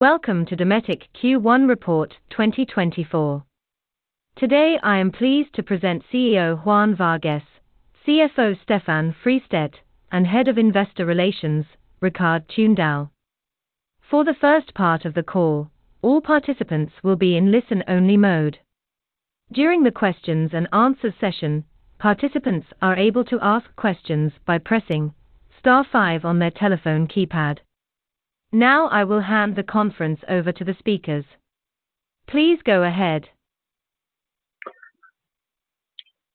Welcome to Dometic Q1 Report 2024. Today I am pleased to present CEO Juan Vargues, CFO Stefan Fristedt, and Head of Investor Relations Rikard Tunedal. For the first part of the call, all participants will be in listen-only mode. During the questions and answers session, participants are able to ask questions by pressing *5* on their telephone keypad. Now I will hand the conference over to the speakers. Please go ahead.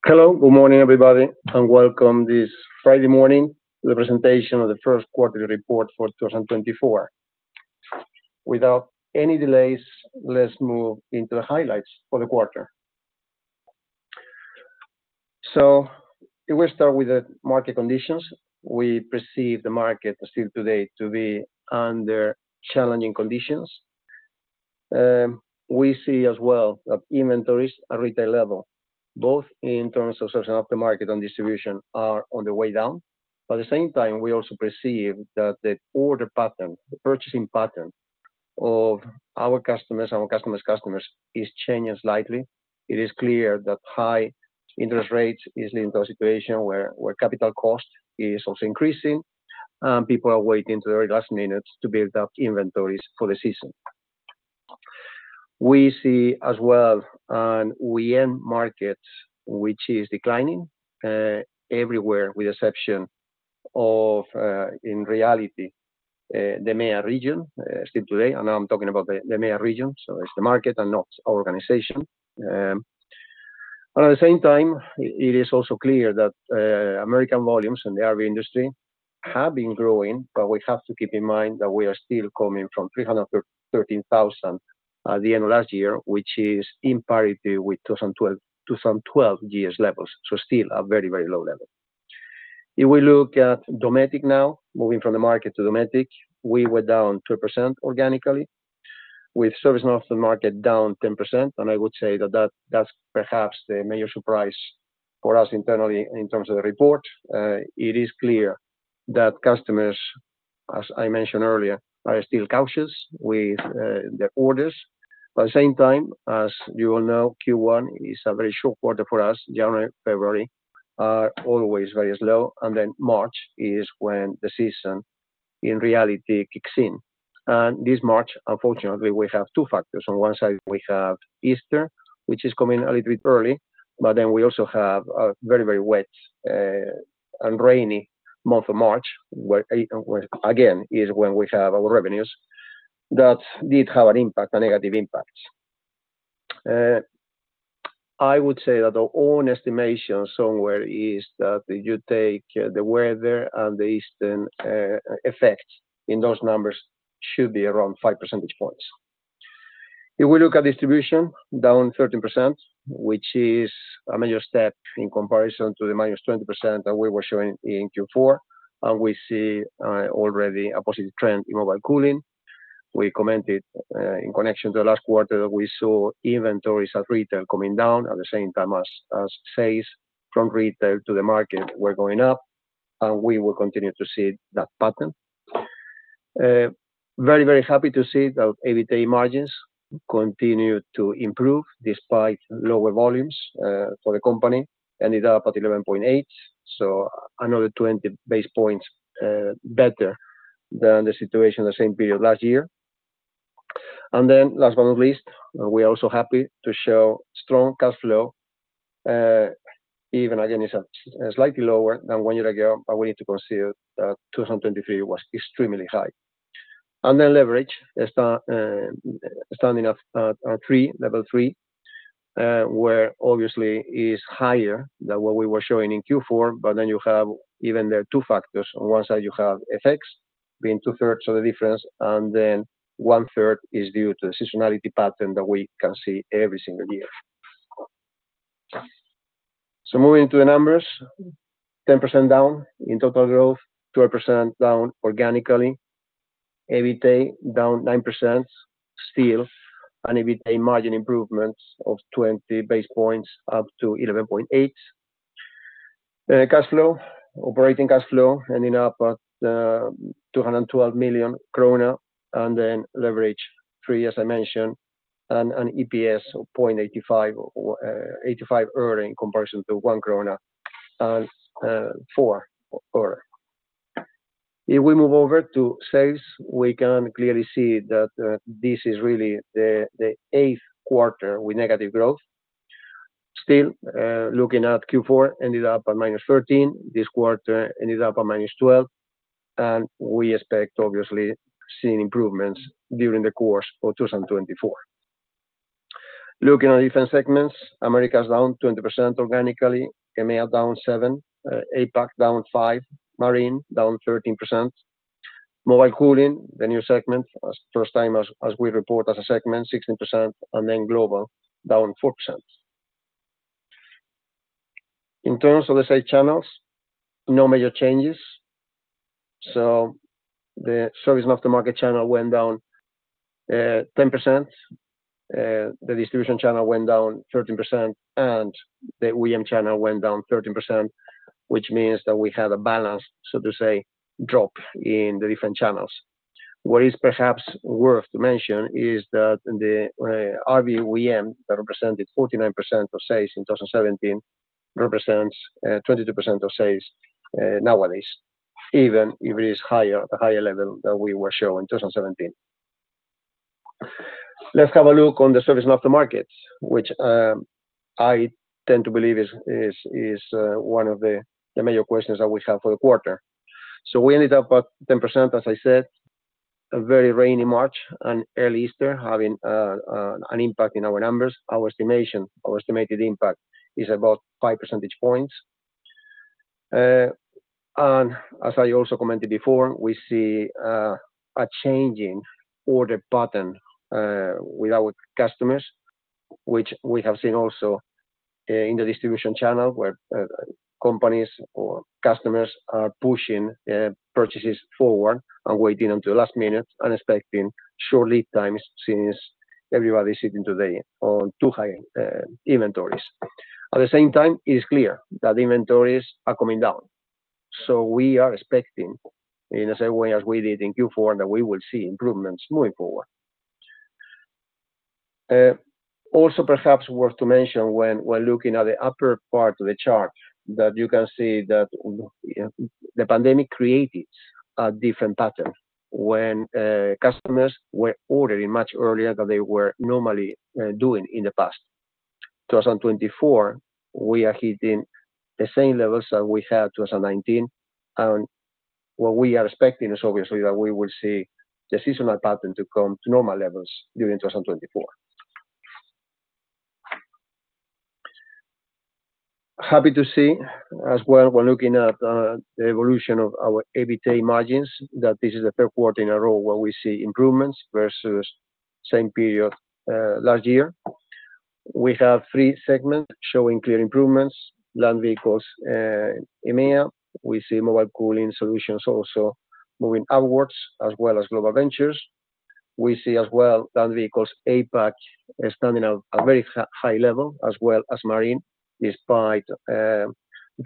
Hello, good morning everybody, and welcome this Friday morning to the presentation of the first quarterly report for 2024. Without any delays, let's move into the highlights for the quarter. So we'll start with the market conditions. We perceive the market still today to be under challenging conditions. We see as well that inventories at retail level, both in terms of Service and in Aftermarket and Distribution, are on the way down. But at the same time, we also perceive that the order pattern, the purchasing pattern of our customers, our customers' customers, is changing slightly. It is clear that high interest rates is leading to a situation where capital cost is also increasing, and people are waiting till the very last minutes to build up inventories for the season. We see as well an OEM market which is declining everywhere, with the exception of, in reality, the EMEA region still today. Now I'm talking about the EMEA region, so it's the market and not our organization. At the same time, it is also clear that American volumes in the RV industry have been growing, but we have to keep in mind that we are still coming from 313,000 at the end of last year, which is in parity with 2012 years' levels, so still a very, very low level. If we look at Dometic now, moving from the market to Dometic, we went down 2% organically, with Service and Aftermarket down 10%. I would say that that's perhaps the major surprise for us internally in terms of the report. It is clear that customers, as I mentioned earlier, are still cautious with their orders. But at the same time, as you all know, Q1 is a very short quarter for us. January, February are always very slow, and then March is when the season, in reality, kicks in. This March, unfortunately, we have two factors. On one side, we have Easter, which is coming a little bit early, but then we also have a very, very wet and rainy month of March, which again is when we have our revenues that did have an impact, a negative impact. I would say that our own estimation somewhere is that if you take the weather and the Easter effects, then those numbers should be around 5 percentage points. If we look at distribution, down 13%, which is a major step in comparison to the -20% that we were showing in Q4. We see already a positive trend in Mobile Cooling. We commented in connection to the last quarter that we saw inventories at retail coming down at the same time as sales from retail to the market were going up, and we will continue to see that pattern. Very, very happy to see that EBITDA margins continue to improve despite lower volumes for the company. Ended up at 11.8, so another 20 basis points better than the situation the same period last year. And then last but not least, we are also happy to show strong cash flow, even again, slightly lower than one year ago, but we need to consider that 2023 was extremely high. And then leverage standing at level 3, where obviously it's higher than what we were showing in Q4. But then you have even there two factors. On one side, you have FX being two-thirds of the difference, and then one-third is due to the seasonality pattern that we can see every single year. So moving into the numbers, 10% down in total growth, 12% down organically, EBITDA down 9% still, and EBITDA margin improvements of 20 basis points up to 11.8%. Cash flow, operating cash flow ending up at 212 million krona, and then leverage 3, as I mentioned, and an EPS of 0.85 in comparison to 1.04 krona. If we move over to sales, we can clearly see that this is really the eighth quarter with negative growth. Still, looking at Q4, ended up at -13%. This quarter ended up at -12%, and we expect, obviously, seeing improvements during the course of 2024. Looking at different segments, Americas is down 20% organically, EMEA down 7%, APAC down 5%, Marine down 13%, mobile cooling, the new segment, first time as we report as a segment, 16%, and then global down 4%. In terms of the sales channels, no major changes. So the service and aftermarket channel went down 10%, the distribution channel went down 13%, and the OEM channel went down 13%, which means that we had a balanced, so to say, drop in the different channels. What is perhaps worth to mention is that the RV OEM that represented 49% of sales in 2017 represents 22% of sales nowadays, even if it is higher, the higher level that we were showing 2017. Let's have a look on the service and aftermarket, which I tend to believe is one of the major questions that we have for the quarter. So we ended up at 10%, as I said. A very rainy March and early Easter having an impact in our numbers. Our estimated impact is about 5 percentage points. And as I also commented before, we see a changing order pattern with our customers, which we have seen also in the distribution channel where companies or customers are pushing purchases forward and waiting until the last minute and expecting short lead times since everybody is sitting today on too high inventories. At the same time, it is clear that inventories are coming down. So we are expecting, in the same way as we did in Q4, that we will see improvements moving forward. Also perhaps worth to mention when looking at the upper part of the chart that you can see that the pandemic created a different pattern when customers were ordering much earlier than they were normally doing in the past. 2024, we are hitting the same levels that we had 2019. And what we are expecting is, obviously, that we will see the seasonal pattern to come to normal levels during 2024. Happy to see as well when looking at the evolution of our EBITDA margins that this is the third quarter in a row where we see improvements versus same period last year. We have three segments showing clear improvements: Land Vehicles, EMEA. We see Mobile Cooling Solutions also moving upwards as well as Global Ventures. We see as well Land Vehicles, APAC, standing at a very high level as well as Marine despite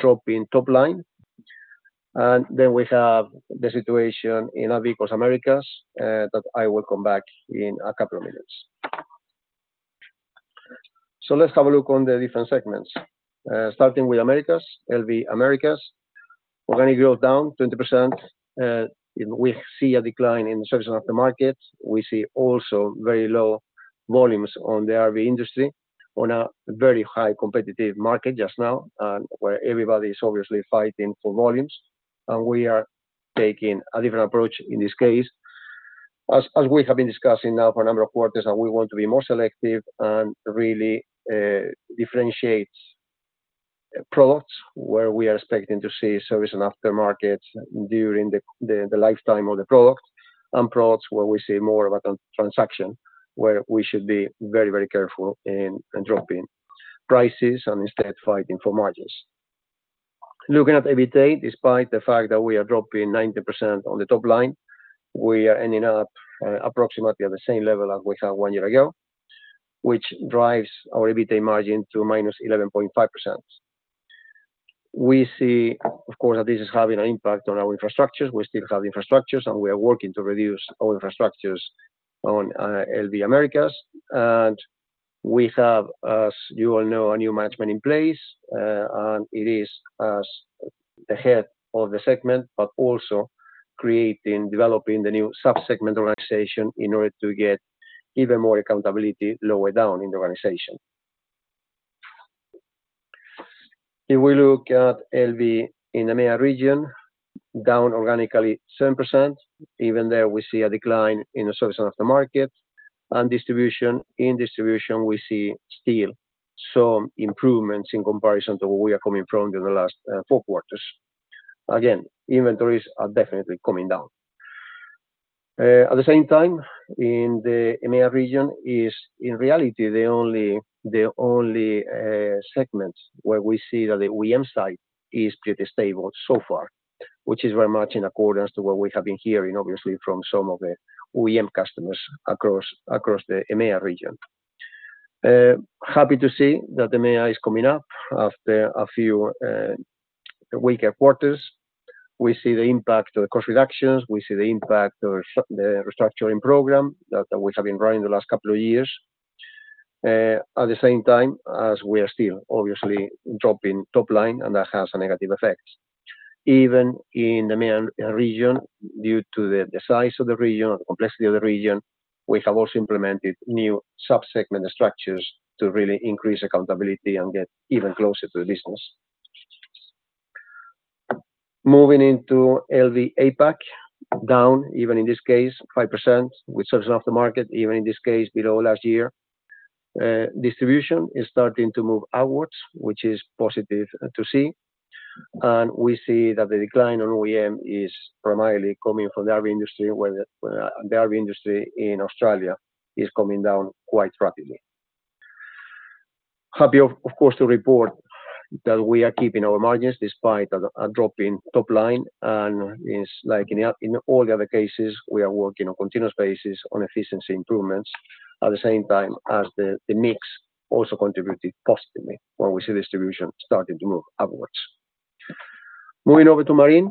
dropping top line. Then we have the situation in Land Vehicles, Americas, that I will come back in a couple of minutes. So let's have a look on the different segments. Starting with Americas, LV Americas, organic growth down 20%. We see a decline in the service and aftermarket. We see also very low volumes on the RV industry on a very high competitive market just now where everybody is obviously fighting for volumes. And we are taking a different approach in this case. As we have been discussing now for a number of quarters, we want to be more selective and really differentiate products where we are expecting to see service and aftermarkets during the lifetime of the product and products where we see more of a transaction where we should be very, very careful in dropping prices and instead fighting for margins. Looking at EBITDA, despite the fact that we are dropping 19% on the top line, we are ending up approximately at the same level as we had one year ago, which drives our EBITDA margin to -11.5%. We see, of course, that this is having an impact on our infrastructures. We still have infrastructures, and we are working to reduce our infrastructures in RV Americas. And we have, as you all know, a new management in place, and it is as head of the segment but also developing the new subsegment organization in order to get even more accountability lower down in the organization. If we look at RV in the EMEA region, down organically 7%. Even there, we see a decline in the service and aftermarket. And in distribution, we see still some improvements in comparison to where we are coming from during the last four quarters. Again, inventories are definitely coming down. At the same time, in the EMEA region is, in reality, the only segment where we see that the OEM side is pretty stable so far, which is very much in accordance to what we have been hearing, obviously, from some of the OEM customers across the EMEA region. Happy to see that the EMEA is coming up after a few weaker quarters. We see the impact of the cost reductions. We see the impact of the restructuring program that we have been running the last couple of years at the same time as we are still, obviously, dropping top line, and that has a negative effect. Even in the EMEA region, due to the size of the region, the complexity of the region, we have also implemented new subsegment structures to really increase accountability and get even closer to the business. Moving into LV APAC, down even in this case 5% with service and aftermarket, even in this case, below last year. Distribution is starting to move upwards, which is positive to see. We see that the decline on OEM is primarily coming from the RV industry, where the RV industry in Australia is coming down quite rapidly. Happy, of course, to report that we are keeping our margins despite a dropping top line. Like in all the other cases, we are working on continuous basis on efficiency improvements at the same time as the mix also contributed positively when we see distribution starting to move upwards. Moving over to Marine,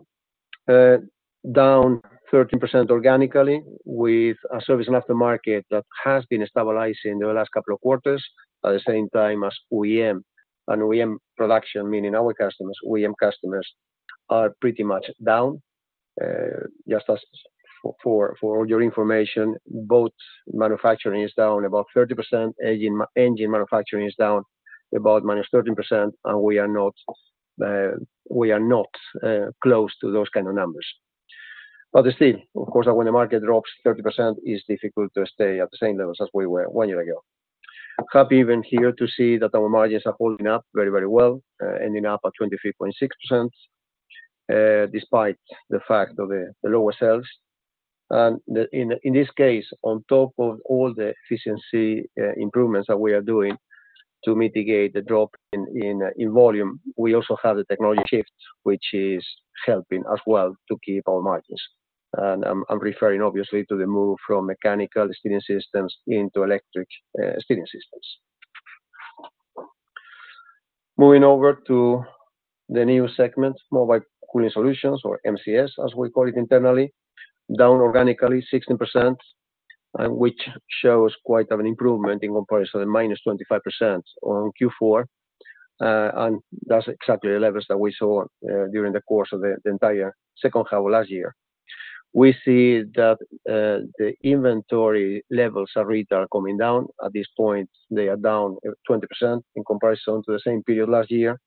down 13% organically with a service and aftermarket that has been stabilizing the last couple of quarters at the same time as OEM. OEM production, meaning our customers, OEM customers, are pretty much down. Just for all your information, boat manufacturing is down about 30%, engine manufacturing is down about -13%, and we are not close to those kind of numbers. Still, of course, when the market drops 30%, it's difficult to stay at the same levels as we were one year ago. Happy even here to see that our margins are holding up very, very well, ending up at 23.6% despite the fact of the lower sales. In this case, on top of all the efficiency improvements that we are doing to mitigate the drop in volume, we also have the technology shift, which is helping as well to keep our margins. I'm referring, obviously, to the move from mechanical steering systems into electric steering systems. Moving over to the new segment, Mobile Cooling Solutions or MCS, as we call it internally, down organically 16%, which shows quite an improvement in comparison to minus 25% on Q4. That's exactly the levels that we saw during the course of the entire second half of last year. We see that the inventory levels at retail are coming down. At this point, they are down 20% in comparison to the same period last year.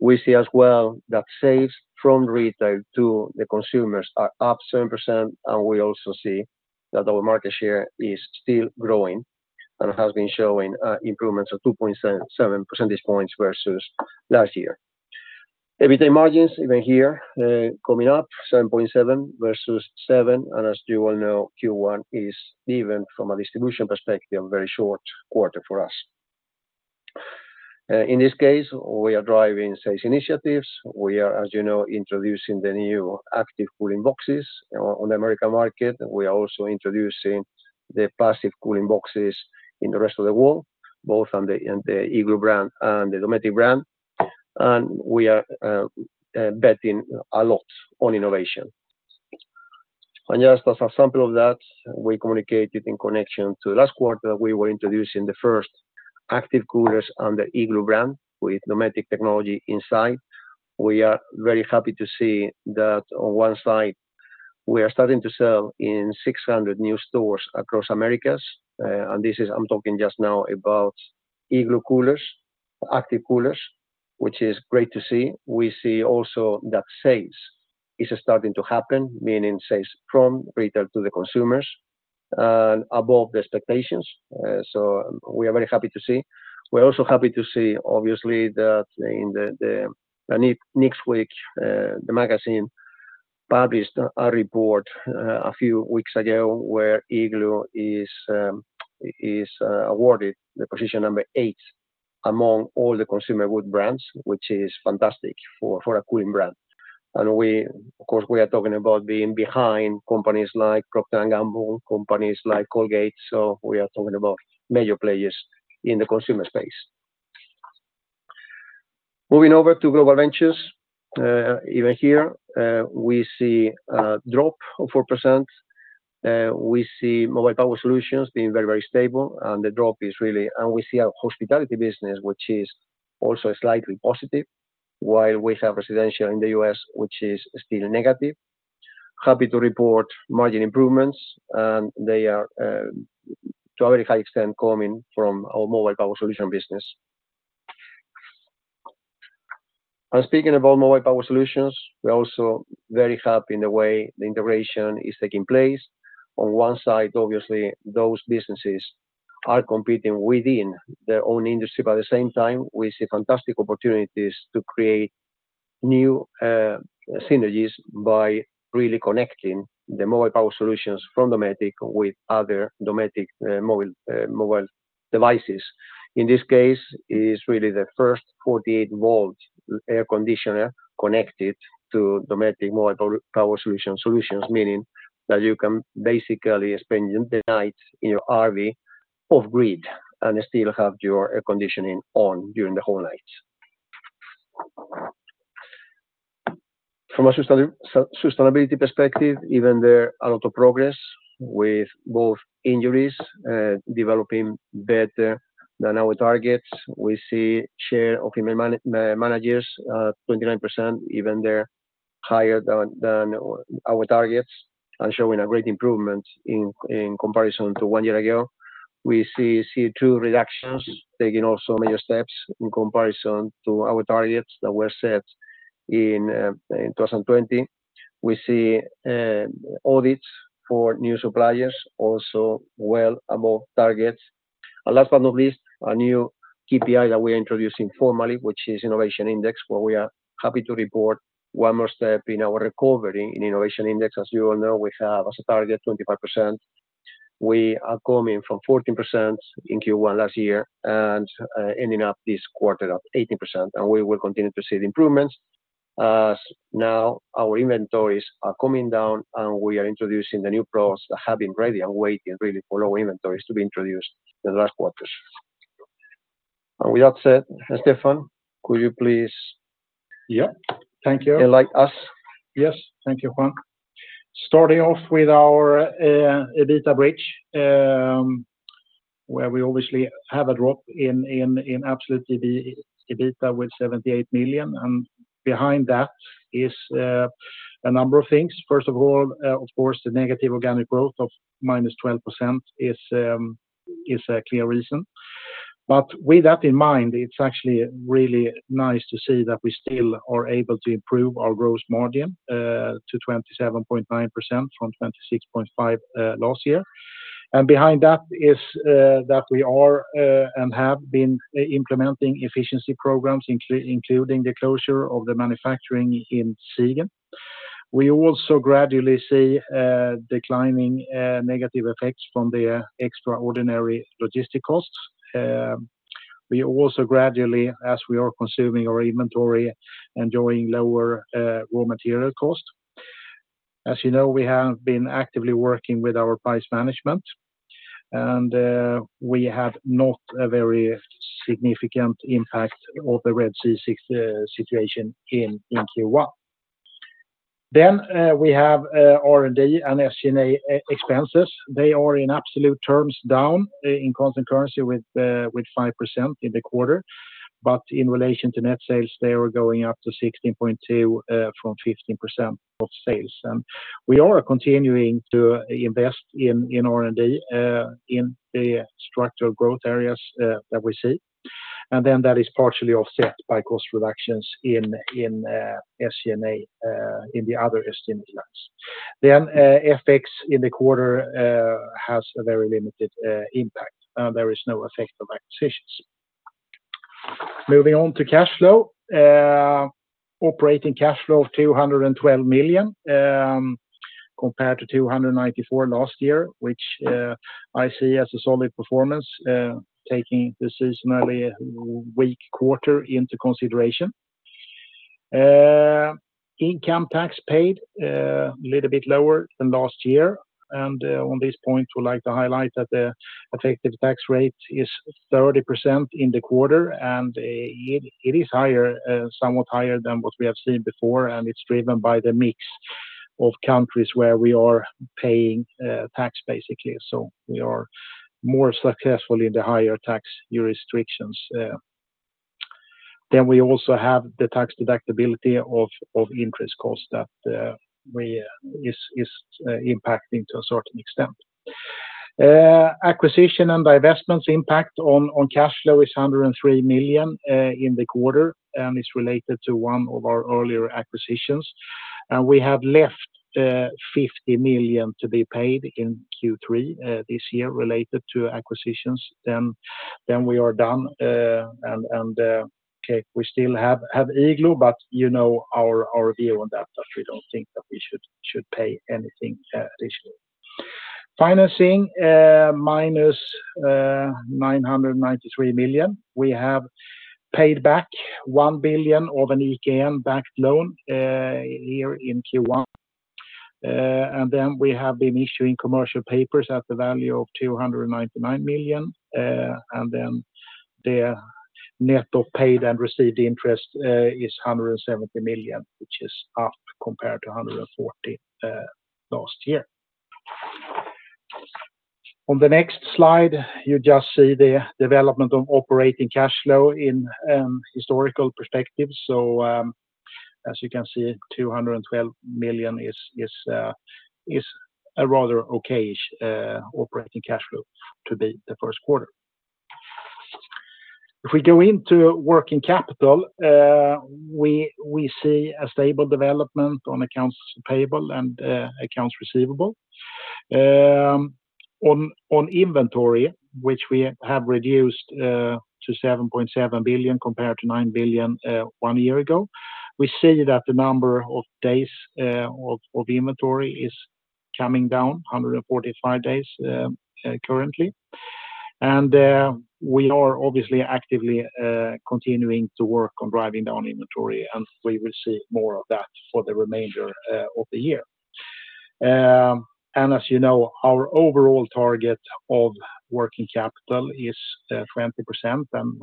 We see as well that sales from retail to the consumers are up 7%. We also see that our market share is still growing and has been showing improvements of 2.7 percentage points versus last year. EBITDA margins, even here, coming up 7.7 versus 7. As you all know, Q1 is, even from a distribution perspective, a very short quarter for us. In this case, we are driving sales initiatives. We are, as you know, introducing the new active cooling boxes on the American market. We are also introducing the passive cooling boxes in the rest of the world, both on the Igloo brand and the Dometic brand. We are betting a lot on innovation. Just as a sample of that, we communicated in connection to the last quarter that we were introducing the first active coolers under Igloo brand with Dometic technology inside. We are very happy to see that on one side, we are starting to sell in 600 new stores across Americas. I'm talking just now about Igloo coolers, active coolers, which is great to see. We see also that sales is starting to happen, meaning sales from retail to the consumers above the expectations. We are very happy to see. We're also happy to see, obviously, that in the in Newsweek, the magazine published a report a few weeks ago where Igloo is awarded the position number 8 among all the consumer goods brands, which is fantastic for a cooling brand. And of course, we are talking about being behind companies like Procter & Gamble, companies like Colgate. So we are talking about major players in the consumer space. Moving over to global ventures, even here, we see a drop of 4%. We see Mobile Power Solutions being very, very stable. And the drop is really and we see a hospitality business, which is also slightly positive, while we have residential in the U.S., which is still negative. Happy to report margin improvements. And they are, to a very high extent, coming from our Mobile Power Solutions business. And speaking about Mobile Power Solutions, we're also very happy in the way the integration is taking place. On one side, obviously, those businesses are competing within their own industry. But at the same time, we see fantastic opportunities to create new synergies by really connecting the Mobile Power Solutions from Dometic with other Dometic mobile devices. In this case, it's really the first 48-volt air conditioner connected to Dometic Mobile Power Solutions, meaning that you can basically spend the nights in your RV off-grid and still have your air conditioning on during the whole nights. From a sustainability perspective, even there, a lot of progress with both industries developing better than our targets. We see share of female managers 29%, even there, higher than our targets and showing a great improvement in comparison to one year ago. We see CO2 reductions taking also major steps in comparison to our targets that were set in 2020. We see audits for new suppliers also well above targets. And last but not least, a new KPI that we are introducing formally, which is Innovation Index, where we are happy to report one more step in our recovery in Innovation Index. As you all know, we have as a target 25%. We are coming from 14% in Q1 last year and ending up this quarter at 18%. And we will continue to see the improvements as now our inventories are coming down, and we are introducing the new products that have been ready and waiting, really, for lower inventories to be introduced in the last quarters. And with that said, Stefan, could you please. Yeah. Thank you. Enlighten us. Yes. Thank you, Juan. Starting off with our EBITDA bridge, where we obviously have a drop in absolute EBITDA with 78 million. Behind that is a number of things. First of all, of course, the negative organic growth of minus 12% is a clear reason. With that in mind, it's actually really nice to see that we still are able to improve our gross margin to 27.9% from 26.5% last year. Behind that is that we are and have been implementing efficiency programs, including the closure of the manufacturing in Siegen. We also gradually see declining negative effects from the extraordinary logistic costs. We also gradually, as we are consuming our inventory, enjoy lower raw material costs. As you know, we have been actively working with our price management, and we had not a very significant impact of the Red Sea situation in Q1. We have R&D and S&A expenses. They are, in absolute terms, down in constant currency with 5% in the quarter. But in relation to net sales, they are going up to 16.2% from 15% of sales. And we are continuing to invest in R&D in the structural growth areas that we see. And then that is partially offset by cost reductions in S&A in the other estimate lines. Then FX in the quarter has a very limited impact, and there is no effect of acquisitions. Moving on to cash flow, operating cash flow of 212 million compared to 294 million last year, which I see as a solid performance, taking the seasonally weak quarter into consideration. Income tax paid a little bit lower than last year. And on this point, I would like to highlight that the effective tax rate is 30% in the quarter, and it is somewhat higher than what we have seen before. It's driven by the mix of countries where we are paying tax, basically. So we are more successful in the higher tax jurisdictions. Then we also have the tax deductibility of interest costs that is impacting to a certain extent. Acquisition and divestments impact on cash flow is 103 million in the quarter and is related to one of our earlier acquisitions. We have left 50 million to be paid in Q3 this year related to acquisitions. Then we are done. Okay. We still have Igloo, but you know our view on that, that we don't think that we should pay anything additionally. Financing minus 993 million. We have paid back 1 billion of an EKN-backed loan here in Q1. And then we have been issuing commercial papers at the value of 299 million. Then the net of paid and received interest is 170 million, which is up compared to 140 million last year. On the next slide, you just see the development of operating cash flow in historical perspective. As you can see, 212 million is a rather okay operating cash flow to be the first quarter. If we go into working capital, we see a stable development on accounts payable and accounts receivable. On inventory, which we have reduced to 7.7 billion compared to 9 billion one year ago, we see that the number of days of inventory is coming down, 145 days currently. And we are obviously actively continuing to work on driving down inventory, and we will see more of that for the remainder of the year. As you know, our overall target of working capital is 20%.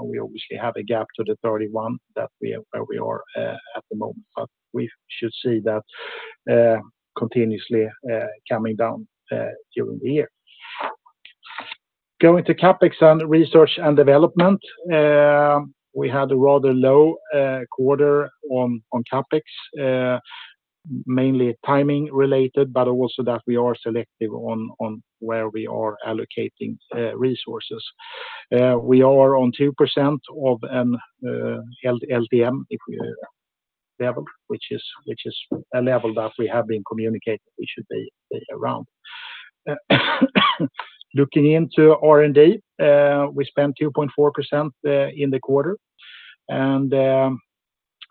We obviously have a gap to the 31% where we are at the moment. But we should see that continuously coming down during the year. Going to CapEx and research and development, we had a rather low quarter on CapEx, mainly timing-related, but also that we are selective on where we are allocating resources. We are on 2% of an LTM level, which is a level that we have been communicating we should be around. Looking into R&D, we spent 2.4% in the quarter. And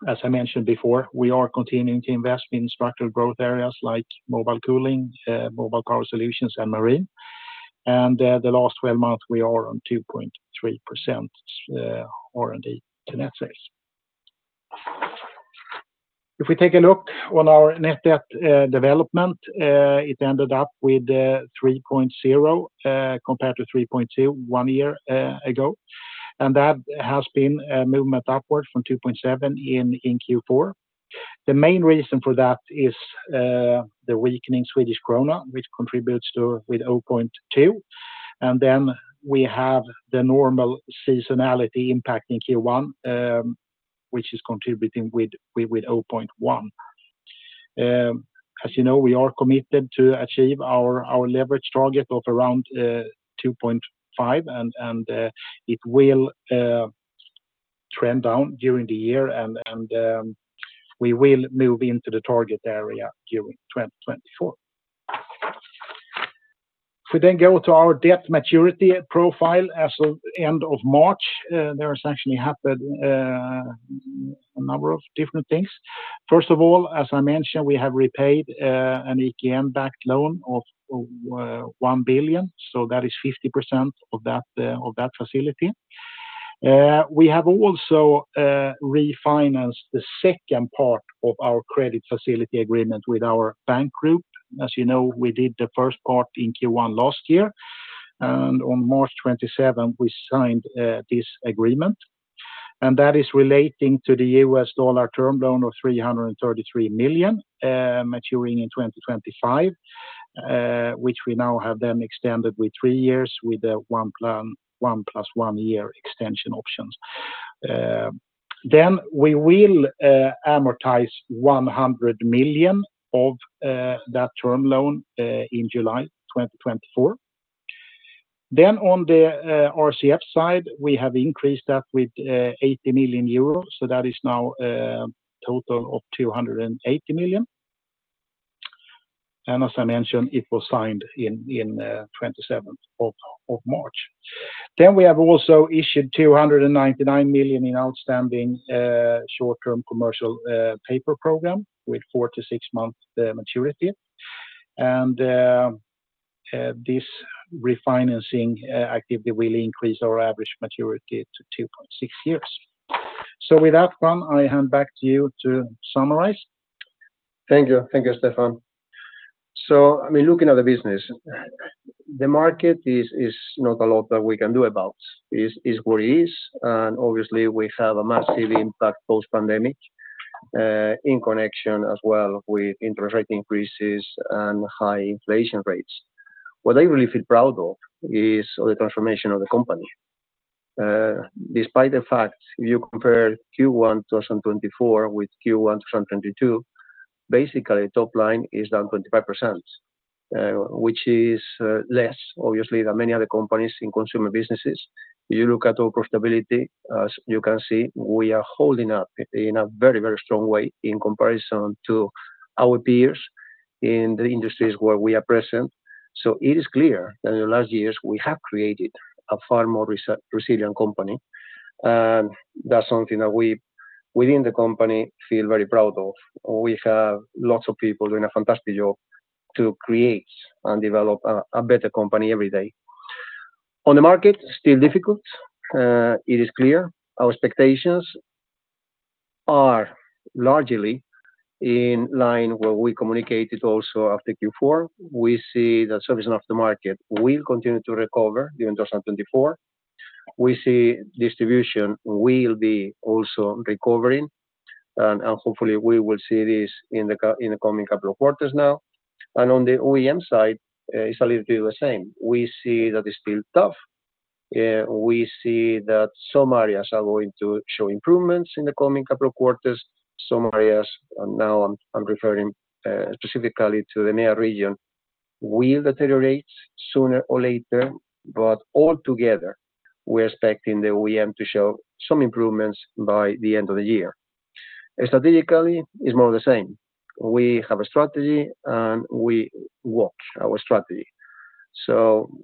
as I mentioned before, we are continuing to invest in structural growth areas like mobile cooling, mobile power solutions, and marine. And the last 12 months, we are on 2.3% R&D to net sales. If we take a look on our net debt development, it ended up with 3.0 compared to 3.0 one year ago. That has been a movement upward from 2.7 in Q4. The main reason for that is the weakening Swedish krona, which contributes with 0.2. We have the normal seasonality impact in Q1, which is contributing with 0.1. As you know, we are committed to achieve our leverage target of around 2.5, and it will trend down during the year. We will move into the target area during 2024. If we then go to our debt maturity profile as of end of March, there has actually happened a number of different things. First of all, as I mentioned, we have repaid an EKN-backed loan of 1 billion. So that is 50% of that facility. We have also refinanced the second part of our credit facility agreement with our bank group. As you know, we did the first part in Q1 last year. On March 27, we signed this agreement. That is relating to the US dollar term loan of $333 million maturing in 2025, which we now have then extended with 3 years with the 1+1-year extension options. We will amortize $100 million of that term loan in July 2024. On the RCF side, we have increased that with 80 million euros. That is now a total of 280 million. As I mentioned, it was signed on the 27th of March. We have also issued 299 million in outstanding short-term commercial paper program with 4-6 month maturity. This refinancing activity will increase our average maturity to 2.6 years. With that, Juan, I hand back to you to summarize. Thank you. Thank you, Stefan. I mean, looking at the business, the market is not a lot that we can do about. It's what it is. Obviously, we have a massive impact post-pandemic in connection as well with interest rate increases and high inflation rates. What I really feel proud of is the transformation of the company. Despite the fact, if you compare Q1 2024 with Q1 2022, basically, top line is down 25%, which is less, obviously, than many other companies in consumer businesses. If you look at our profitability, as you can see, we are holding up in a very, very strong way in comparison to our peers in the industries where we are present. So it is clear that in the last years, we have created a far more resilient company. And that's something that we, within the company, feel very proud of. We have lots of people doing a fantastic job to create and develop a better company every day. On the market, still difficult. It is clear. Our expectations are largely in line with what we communicated also after Q4. We see that service and aftermarket will continue to recover during 2024. We see distribution will be also recovering. Hopefully, we will see this in the coming couple of quarters now. On the OEM side, it's a little bit the same. We see that it's still tough. We see that some areas are going to show improvements in the coming couple of quarters. Some areas now, I'm referring specifically to the MEA region, will deteriorate sooner or later. But altogether, we're expecting the OEM to show some improvements by the end of the year. Strategically, it's more of the same. We have a strategy, and we walk our strategy.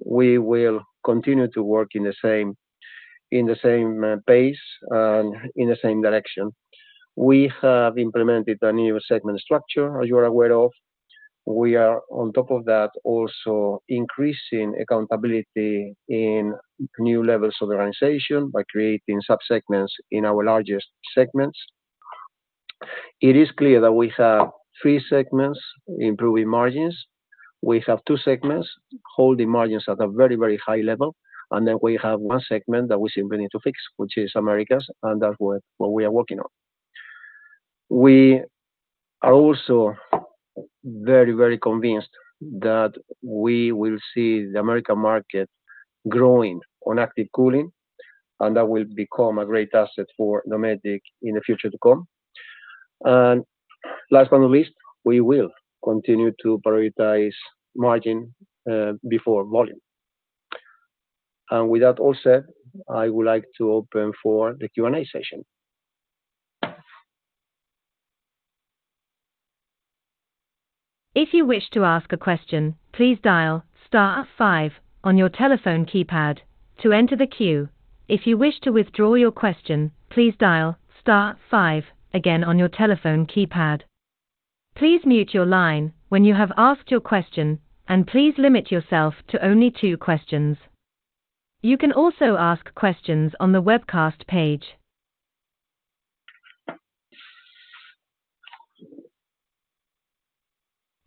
We will continue to work in the same pace and in the same direction. We have implemented a new segment structure, as you are aware of. We are, on top of that, also increasing accountability in new levels of organization by creating subsegments in our largest segments. It is clear that we have three segments improving margins. We have two segments holding margins at a very, very high level. And then we have one segment that we simply need to fix, which is Americas. And that's what we are working on. We are also very, very convinced that we will see the American market growing on active cooling, and that will become a great asset for Dometic in the future to come. And last but not least, we will continue to prioritize margin before volume. And with that all said, I would like to open for the Q&A session. If you wish to ask a question, please dial *5 on your telephone keypad to enter the queue. If you wish to withdraw your question, please dial *5 again on your telephone keypad. Please mute your line when you have asked your question, and please limit yourself to only two questions. You can also ask questions on the webcast page.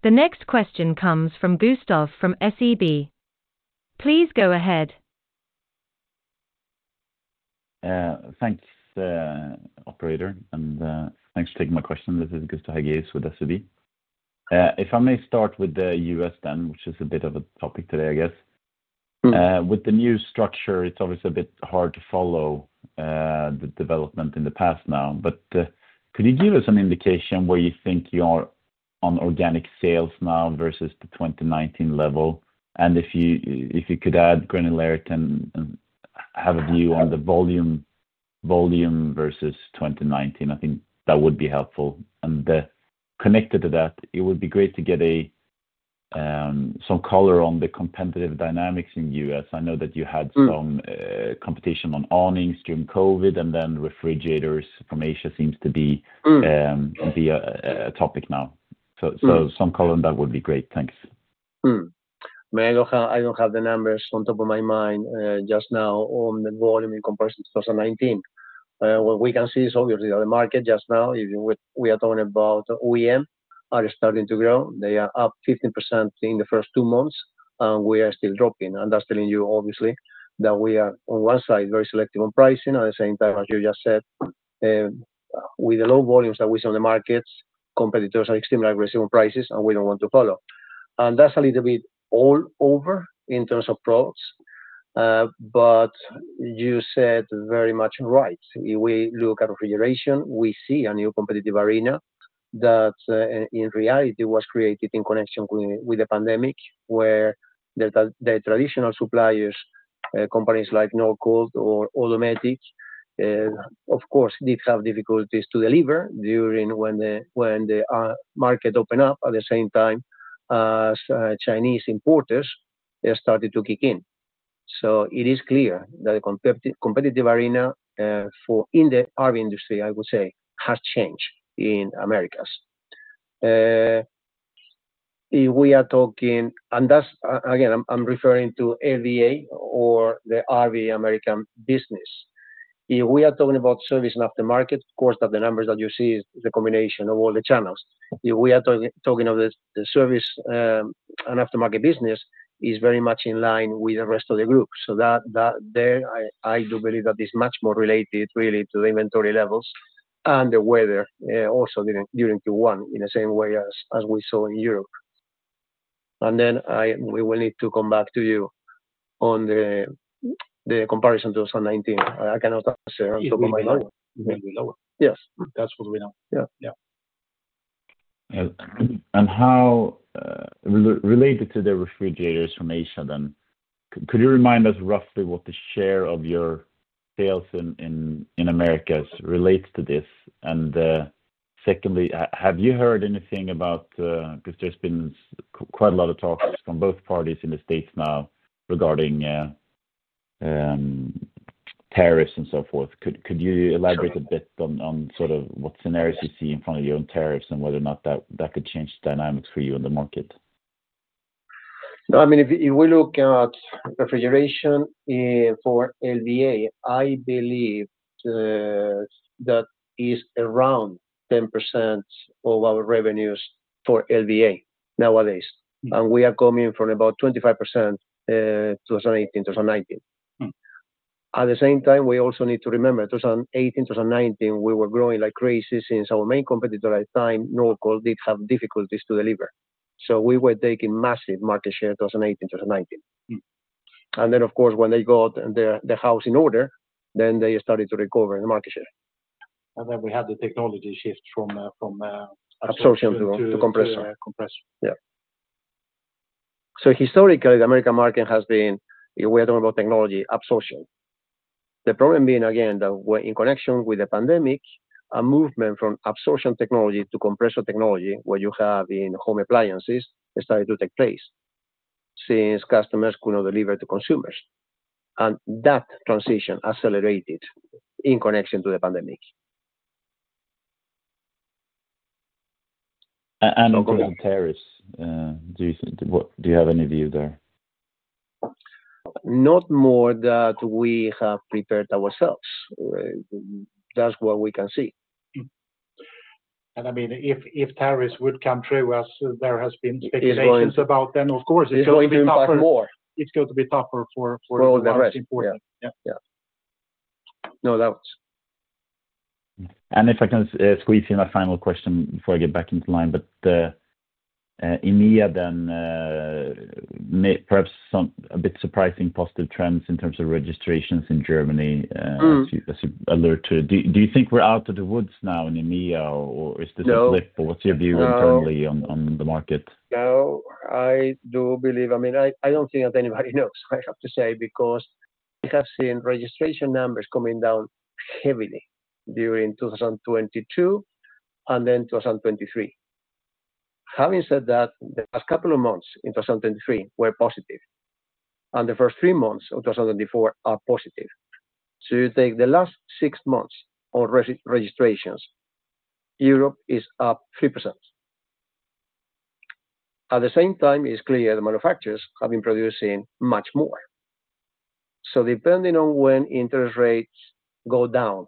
The next question comes from Gustav from SEB. Please go ahead. Thanks, operator. And thanks for taking my question. This is Gustav Hageus with SEB. If I may start with the U.S. then, which is a bit of a topic today, I guess. With the new structure, it's obviously a bit hard to follow the development in the past now. But could you give us an indication where you think you are on organic sales now versus the 2019 level? And if you could add granularity and have a view on the volume versus 2019, I think that would be helpful. And connected to that, it would be great to get some color on the competitive dynamics in the U.S. I know that you had some competition on awnings during COVID, and then refrigerators from Asia seems to be a topic now. So some color on that would be great. Thanks. May I go ahead? I don't have the numbers on top of my mind just now on the volume in comparison to 2019. What we can see is, obviously, that the market just now, we are talking about OEM, are starting to grow. They are up 15% in the first two months, and we are still dropping. And that's telling you, obviously, that we are, on one side, very selective on pricing. At the same time, as you just said, with the low volumes that we see on the markets, competitors are extremely aggressive on prices, and we don't want to follow. And that's a little bit all over in terms of products. But you said very much right. If we look at refrigeration, we see a new competitive arena that, in reality, was created in connection with the pandemic, where the traditional suppliers, companies like Norcold or Dometic, of course, did have difficulties to deliver when the market opened up at the same time as Chinese importers started to kick in. So it is clear that the competitive arena in the RV industry, I would say, has changed in Americas. If we are talking and again, I'm referring to RVA or the RV American business. If we are talking about service and aftermarket, of course, that the numbers that you see is the combination of all the channels. If we are talking of the service and aftermarket business, it's very much in line with the rest of the group. So, there, I do believe that it's much more related, really, to the inventory levels and the weather also during Q1 in the same way as we saw in Europe. Then we will need to come back to you on the comparison to 2019. I cannot answer on top of my mind. Maybe lower. Yes. That's what we know. Yeah. Related to the refrigerators from Asia then, could you remind us roughly what the share of your sales in Americas relates to this? And secondly, have you heard anything, because there's been quite a lot of talks from both parties in the States now regarding tariffs and so forth? Could you elaborate a bit on sort of what scenarios you see in front of you on tariffs and whether or not that could change the dynamics for you in the market? I mean, if we look at refrigeration for LVA, I believe that is around 10% of our revenues for LVA nowadays. And we are coming from about 25% 2018, 2019. At the same time, we also need to remember, 2018, 2019, we were growing like crazy since our main competitor at the time, Norcold, did have difficulties to deliver. So we were taking massive market share 2018, 2019. And then, of course, when they got the house in order, then they started to recover the market share. And then we had the technology shift from absorption to compressor. absorption to compressor. Yeah. So historically, the American market has been, if we are talking about technology, absorption. The problem being, again, that in connection with the pandemic, a movement from absorption technology to compressor technology, what you have in home appliances, started to take place since customers could not deliver to consumers. And that transition accelerated in connection to the pandemic. Regarding tariffs, do you have any view there? Not more than we have prepared ourselves. That's what we can see. I mean, if tariffs would come true, as there has been speculations about, then of course, it's going to be tougher. It's going to be impacted more. It's going to be tougher for the most important. For all the rest. Yeah. Yeah. No doubts. If I can squeeze in a final question before I get back into line. In EMEA then, perhaps a bit surprising positive trends in terms of registrations in Germany, as you alerted. Do you think we're out of the woods now in EMEA, or is this a flip? Or what's your view internally on the market? No, I do believe, I mean, I don't think that anybody knows, I have to say, because I have seen registration numbers coming down heavily during 2022 and then 2023. Having said that, the last couple of months in 2023 were positive. The first three months of 2024 are positive. You take the last six months on registrations, Europe is up 3%. At the same time, it's clear the manufacturers have been producing much more. Depending on when interest rates go down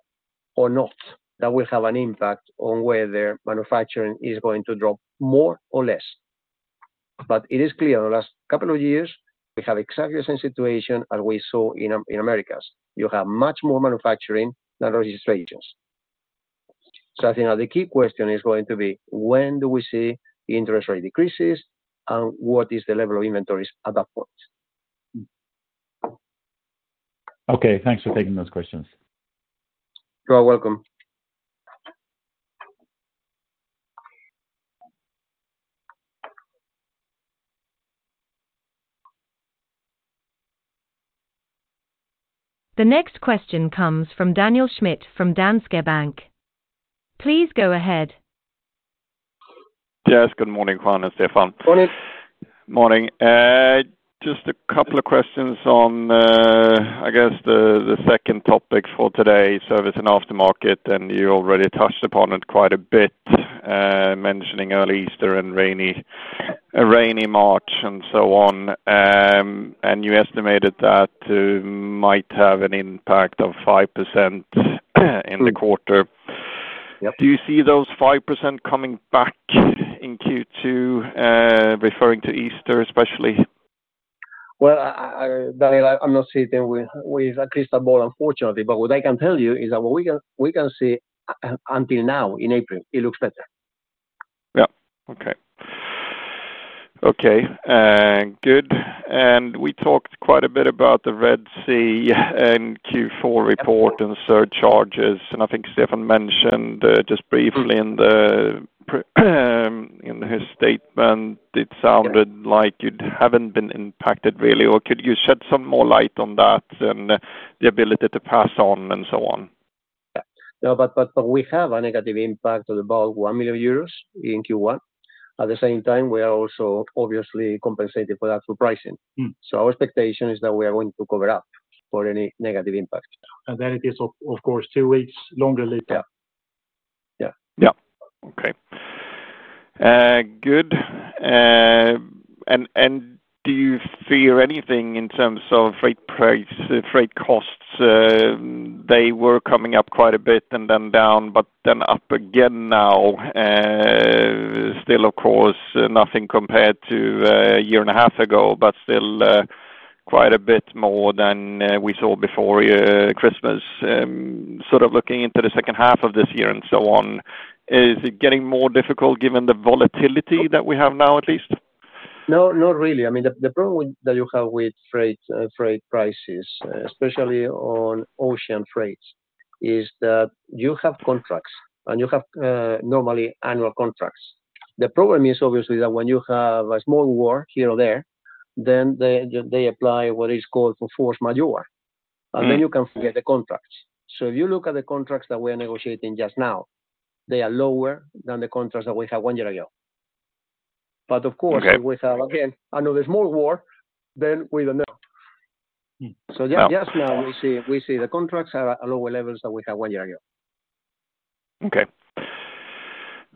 or not, that will have an impact on whether manufacturing is going to drop more or less. It is clear in the last couple of years, we have exactly the same situation as we saw in Americas. You have much more manufacturing than registrations. I think that the key question is going to be, when do we see interest rate decreases, and what is the level of inventories at that point? Okay. Thanks for taking those questions. You're welcome. The next question comes from Daniel Schmidt from Danske Bank. Please go ahead. Yes. Good morning, Juan, and Stefan. Morning. Morning. Just a couple of questions on, I guess, the second topic for today, service and aftermarket. You already touched upon it quite a bit, mentioning early Easter and rainy March and so on. You estimated that might have an impact of 5% in the quarter. Do you see those 5% coming back in Q2, referring to Easter especially? Well, Daniel, I'm not sitting with a crystal ball, unfortunately. But what I can tell you is that what we can see until now in April, it looks better. Yeah. Okay. Okay. Good. And we talked quite a bit about the Red Sea in Q4 report and surcharges. And I think Stefan mentioned just briefly in his statement, it sounded like it haven't been impacted, really. Or could you shed some more light on that and the ability to pass on and so on? Yeah. No, but we have a negative impact of about 1 million euros in Q1. At the same time, we are also, obviously, compensating for that through pricing. So our expectation is that we are going to cover up for any negative impact. Then it is, of course, two weeks longer lead. Yeah. Yeah. Yeah. Okay. Good. Do you fear anything in terms of freight costs? They were coming up quite a bit and then down, but then up again now. Still, of course, nothing compared to a year and a half ago, but still quite a bit more than we saw before Christmas. Sort of looking into the second half of this year and so on, is it getting more difficult given the volatility that we have now, at least? Not really. I mean, the problem that you have with freight prices, especially on ocean freights, is that you have contracts, and you have normally annual contracts. The problem is, obviously, that when you have a small war here or there, then they apply what is called force majeure. And then you can forget the contracts. So if you look at the contracts that we are negotiating just now, they are lower than the contracts that we had one year ago. But of course, if we have, again, another small war, then we don't know. So just now, we see the contracts are at lower levels than we had one year ago. Okay.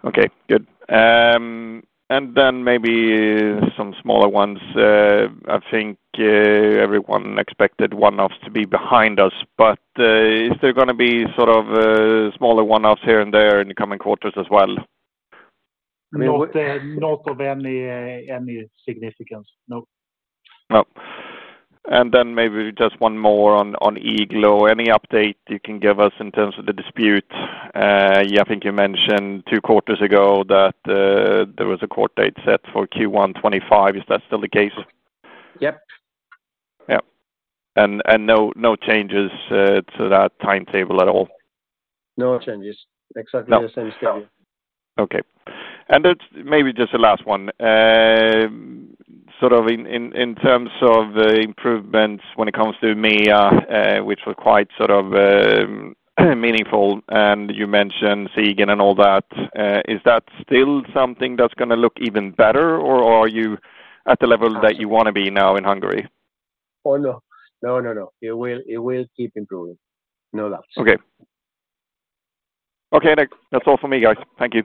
Okay. Good. And then maybe some smaller ones. I think everyone expected one-offs to be behind us. But is there going to be sort of smaller one-offs here and there in the coming quarters as well? I mean, not of any significance. No. No. And then maybe just one more on Igloo. Any update you can give us in terms of the dispute? I think you mentioned two quarters ago that there was a court date set for Q1 2025. Is that still the case? Yep. Yeah. And no changes to that timetable at all? No changes. Exactly the same schedule. Okay. Maybe just the last one. Sort of in terms of improvements when it comes to EMEA, which was quite sort of meaningful, and you mentioned Siegen and all that, is that still something that's going to look even better, or are you at the level that you want to be now in Hungary? Oh, no. No, no, no. It will keep improving. No doubts. Okay. Okay. That's all for me, guys. Thank you.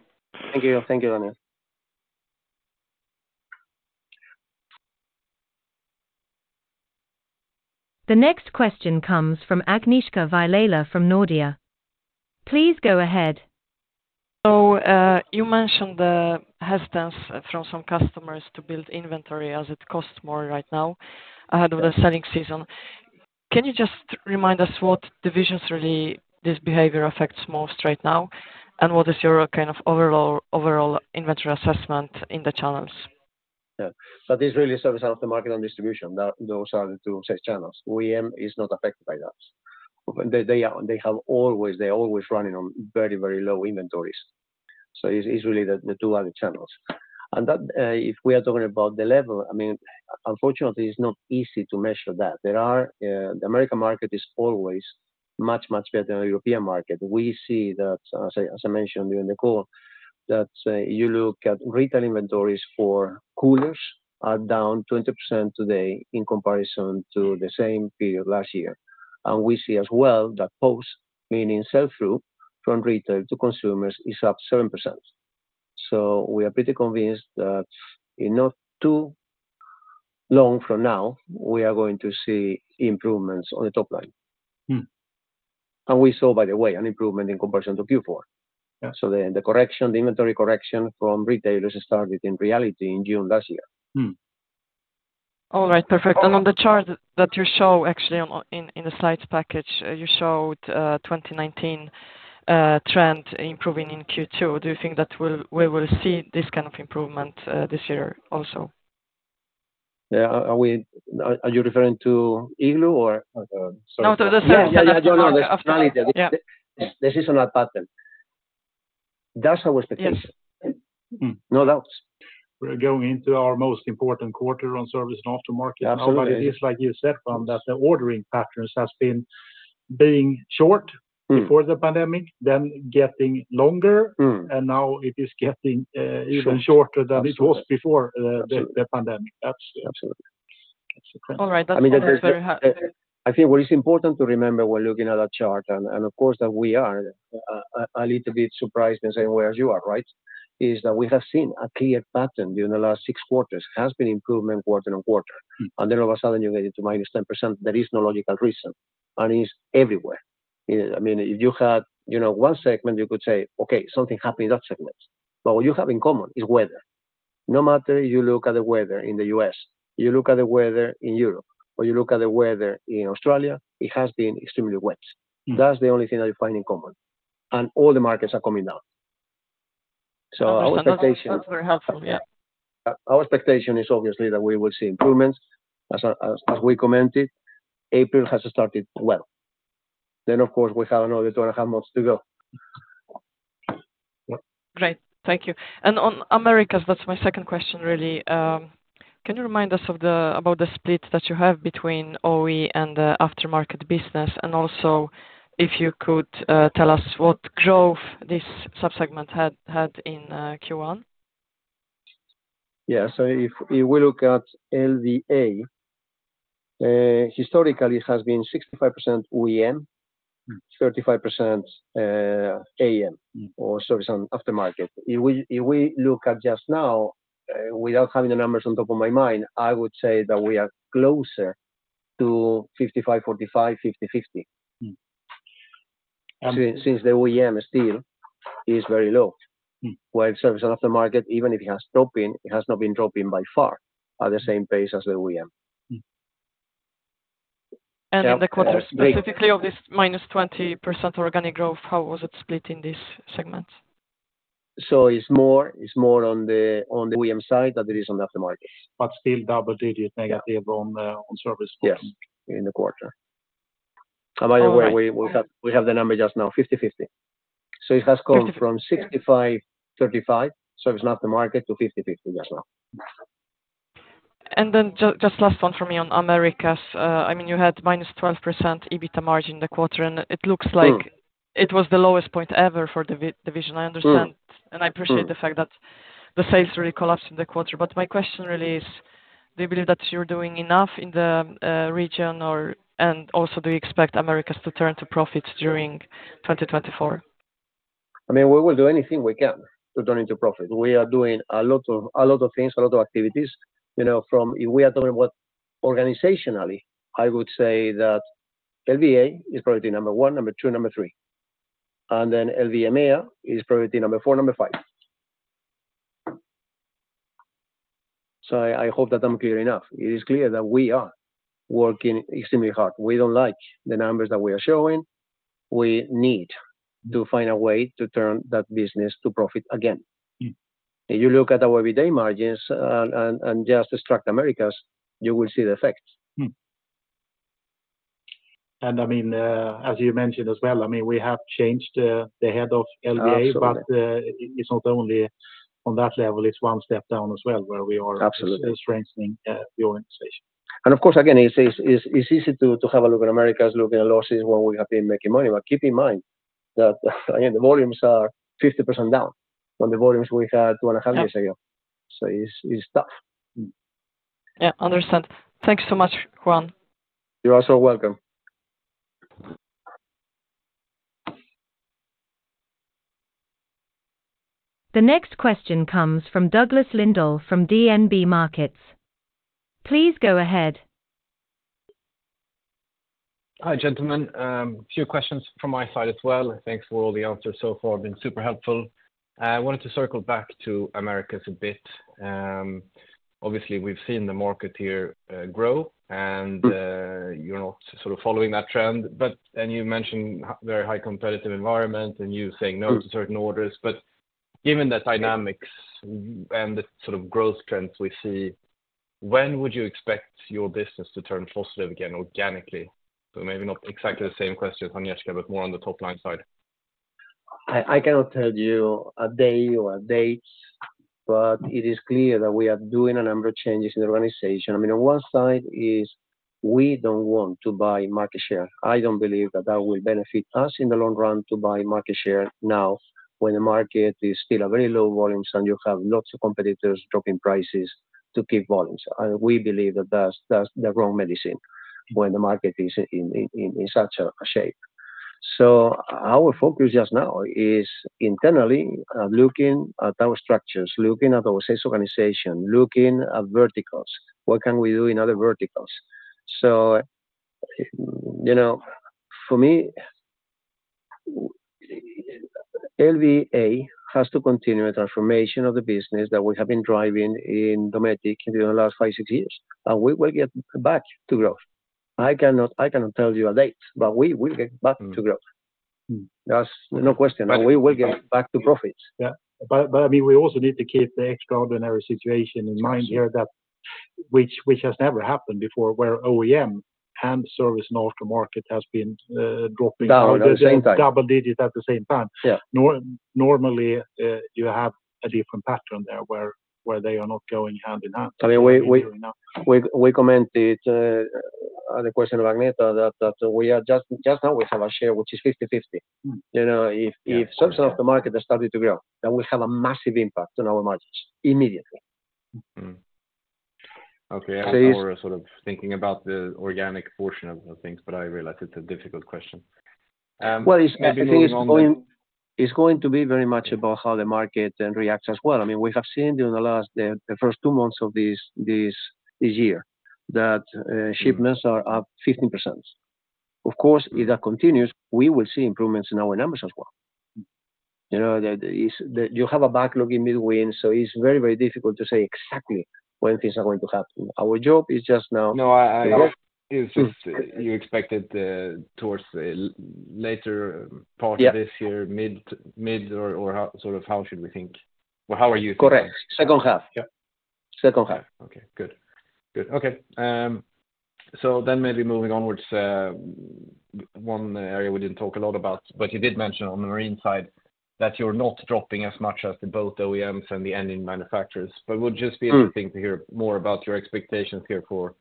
Thank you. Thank you, Daniel. The next question comes from Agnieszka Vilela from Nordea. Please go ahead. So you mentioned the hesitance from some customers to build inventory as it costs more right now ahead of the selling season. Can you just remind us what divisions really this behavior affects most right now, and what is your kind of overall inventory assessment in the channels? Yeah. So this really is service and aftermarket and distribution. Those are the two channels. OEM is not affected by that. They are always running on very, very low inventories. So it's really the two other channels. And if we are talking about the level, I mean, unfortunately, it's not easy to measure that. The American market is always much, much better than the European market. We see that, as I mentioned during the call, that you look at retail inventories for coolers are down 20% today in comparison to the same period last year. And we see as well that POS, meaning sell-through from retail to consumers, is up 7%. So we are pretty convinced that in not too long from now, we are going to see improvements on the top line. And we saw, by the way, an improvement in comparison to Q4. The inventory correction from retailers started, in reality, in June last year. All right. Perfect. And on the chart that you show, actually, in the slides package, you showed 2019 trend improving in Q2. Do you think that we will see this kind of improvement this year also? Yeah. Are you referring to Igloo, or? No, to the service. Yeah, yeah, yeah. No, no. The finality. The seasonal pattern. That's our expectation. No doubts. We're going into our most important quarter on service and aftermarket. But it is, like you said, Juan, that the ordering patterns have been being short before the pandemic, then getting longer, and now it is getting even shorter than it was before the pandemic. That's the trend. All right. That's very helpful. I mean, I think what is important to remember when looking at that chart, and of course, that we are a little bit surprised in the same way as you are, right, is that we have seen a clear pattern during the last six quarters. It has been improvement quarter-on-quarter. And then all of a sudden, you get into -10%. There is no logical reason. And it's everywhere. I mean, if you had one segment, you could say, "Okay, something happened in that segment." But what you have in common is weather. No matter if you look at the weather in the U.S., you look at the weather in Europe, or you look at the weather in Australia, it has been extremely wet. That's the only thing that you find in common. And all the markets are coming down. So expectations. That's very helpful. Yeah. Our expectation is, obviously, that we will see improvements. As we commented, April has started well. Then, of course, we have another two and a half months to go. Great. Thank you. And on Americas, that's my second question, really. Can you remind us about the split that you have between OE and the aftermarket business? And also, if you could tell us what growth this subsegment had in Q1? Yeah. So if we look at LVA, historically, it has been 65% OEM, 35% AM, or service and aftermarket. If we look at just now, without having the numbers on top of my mind, I would say that we are closer to 55%-45%, 50%-50% since the OEM still is very low. Whereas service and aftermarket, even if it has dropped, it has not been dropping by far at the same pace as the OEM. The quarter specifically of this -20% organic growth, how was it split in these segments? It's more on the OEM side than it is on the aftermarket. Still double-digit negative on sequential quarter? Yes, in the quarter. And by the way, we have the number just now, 50, 50. So it has gone from 65, 35, service and aftermarket, to 50, 50 just now. Then just last one for me on Americas. I mean, you had -12% EBITDA margin in the quarter, and it looks like it was the lowest point ever for the division, I understand. I appreciate the fact that the sales really collapsed in the quarter. But my question really is, do you believe that you're doing enough in the region, and also, do you expect Americas to turn to profits during 2024? I mean, we will do anything we can to turn into profit. We are doing a lot of things, a lot of activities. If we are talking about organizationally, I would say that LVA is probably number one, number two, number three. And then LV EMEA is probably number four, number five. So I hope that I'm clear enough. It is clear that we are working extremely hard. We don't like the numbers that we are showing. We need to find a way to turn that business to profit again. If you look at our EBITDA margins and just extract Americas, you will see the effects. I mean, as you mentioned as well, I mean, we have changed the head of LVA, but it's not only on that level. It's one step down as well where we are strengthening the organization. Of course, again, it's easy to have a look at Americas looking at losses when we have been making money. Keep in mind that, again, the volumes are 50% down on the volumes we had 2.5 years ago. It's tough. Yeah. Understood. Thank you so much, Juan. You are so welcome. The next question comes from Douglas Lindahl from DNB Markets. Please go ahead. Hi, gentlemen. A few questions from my side as well. Thanks for all the answers so far. It's been super helpful. I wanted to circle back to Americas a bit. Obviously, we've seen the market here grow, and you're not sort of following that trend. And you mentioned a very high competitive environment and you saying no to certain orders. But given the dynamics and the sort of growth trends we see, when would you expect your business to turn positive again organically? So maybe not exactly the same question, Agnieszka, but more on the top-line side. I cannot tell you a day or dates, but it is clear that we are doing a number of changes in the organization. I mean, on one side is we don't want to buy market share. I don't believe that that will benefit us in the long run to buy market share now when the market is still at very low volumes and you have lots of competitors dropping prices to keep volumes. And we believe that that's the wrong medicine when the market is in such a shape. So our focus just now is internally looking at our structures, looking at our sales organization, looking at verticals. What can we do in other verticals? So for me, LVA has to continue a transformation of the business that we have been driving in Dometic during the last five, six years. And we will get back to growth. I cannot tell you a date, but we will get back to growth. That's no question. We will get back to profits. Yeah. But I mean, we also need to keep the extraordinary situation in mind here, which has never happened before, where OEM and service and aftermarket has been dropping double-digit at the same time. Normally, you have a different pattern there where they are not going hand in hand. I mean, we commented on the question of Agnieszka that just now, we have a share, which is 50/50. If service and aftermarket are starting to grow, then we have a massive impact on our margins immediately. Okay. I was sort of thinking about the organic portion of things, but I realized it's a difficult question. Well, the thing is it's going to be very much about how the market reacts as well. I mean, we have seen during the first two months of this year that shipments are up 15%. Of course, if that continues, we will see improvements in our numbers as well. You have a backlog in between, so it's very, very difficult to say exactly when things are going to happen. Our job is just now to get. No, I asked you just you expected towards later part of this year, mid or sort of how should we think? Well, how are you thinking? Correct. Second half. Second half. Okay. Good. Good. Okay. So then maybe moving onwards, one area we didn't talk a lot about, but you did mention on the marine side that you're not dropping as much as both the OEMs and the aftermarket manufacturers. But would just be interesting to hear more about your expectations here for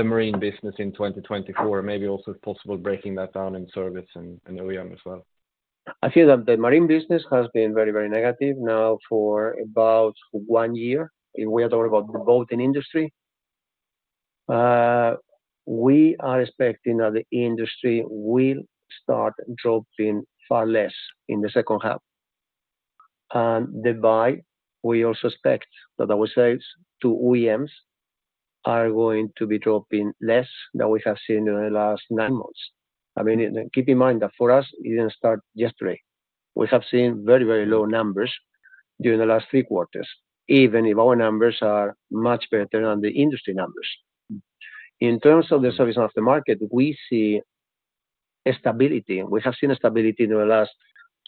the marine business in 2024, maybe also if possible breaking that down in aftermarket and OEM as well? I feel that the marine business has been very, very negative now for about one year. If we are talking about the boating industry, we are expecting that the industry will start dropping far less in the second half. And thereby, we also expect that our sales to OEMs are going to be dropping less than we have seen during the last nine months. I mean, keep in mind that for us, it didn't start yesterday. We have seen very, very low numbers during the last three quarters, even if our numbers are much better than the industry numbers. In terms of the service and aftermarket, we see stability. We have seen stability during the last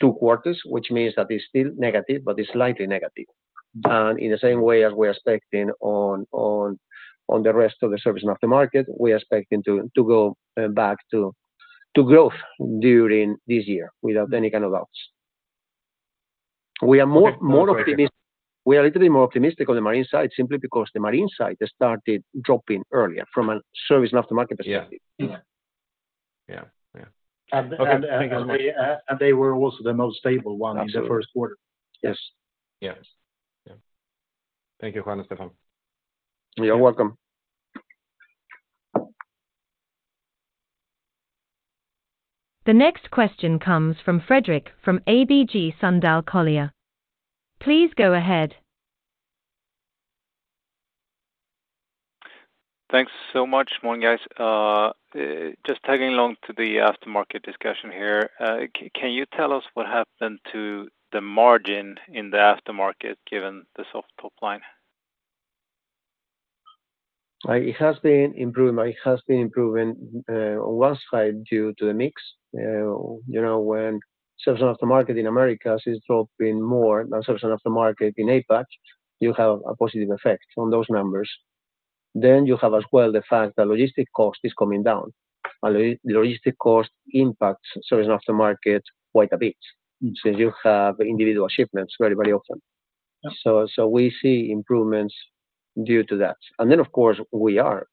two quarters, which means that it's still negative, but it's slightly negative. In the same way as we're expecting on the rest of the service and aftermarket, we're expecting to go back to growth during this year without any kind of doubts. We are more optimistic. We are a little bit more optimistic on the marine side simply because the marine side started dropping earlier from a service and aftermarket perspective. Yeah. Yeah. Yeah. They were also the most stable one in the first quarter. Absolutely. Yes. Yeah. Yeah. Thank you, Juan, and Stefan. You're welcome. The next question comes from Fredrik from ABG Sundal Collier. Please go ahead. Thanks so much. Morning, guys. Just tagging along to the aftermarket discussion here. Can you tell us what happened to the margin in the aftermarket given the soft top line? It has been improving. It has been improving on one side due to the mix. When service and aftermarket in Americas is dropping more than service and aftermarket in APAC, you have a positive effect on those numbers. Then you have as well the fact that logistic cost is coming down. Logistic cost impacts service and aftermarket quite a bit since you have individual shipments very, very often. So we see improvements due to that. And then, of course, we are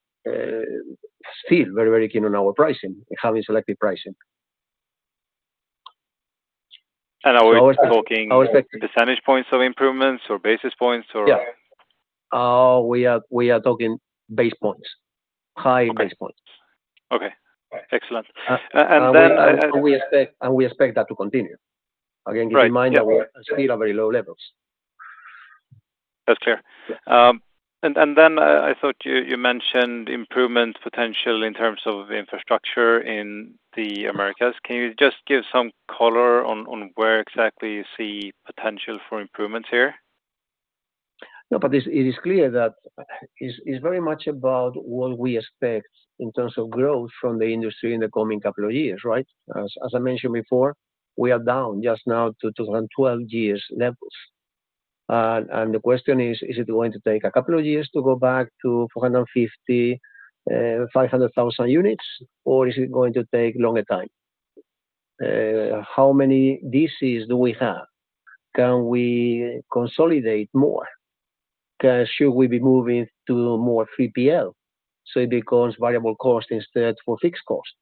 still very, very keen on our pricing, having selective pricing. Are we talking percentage points of improvements or basis points, or? Yeah. We are talking basis points, high basis points. Okay. Excellent. And then. We expect that to continue. Again, keep in mind that we are still at very low levels. That's clear. And then I thought you mentioned improvements potentially in terms of infrastructure in the Americas. Can you just give some color on where exactly you see potential for improvements here? No, but it is clear that it's very much about what we expect in terms of growth from the industry in the coming couple of years, right? As I mentioned before, we are down just now to 2012-year levels. And the question is, is it going to take a couple of years to go back to 450,000-500,000 units, or is it going to take longer time? How many DCs do we have? Can we consolidate more? Should we be moving to more 3PL so it becomes variable cost instead for fixed cost?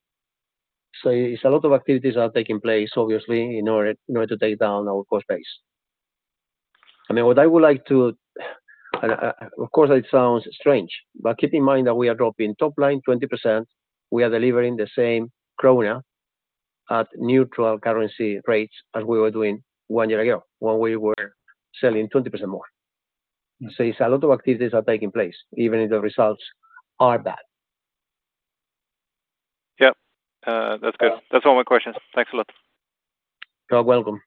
So it's a lot of activities that are taking place, obviously, in order to take down our cost base. I mean, what I would like to of course, it sounds strange, but keep in mind that we are dropping top line 20%. We are delivering the same krona at neutral currency rates as we were doing one year ago, when we were selling 20% more. So it's a lot of activities that are taking place even if the results are bad. Yep. That's good. That's all my questions. Thanks a lot. You're welcome.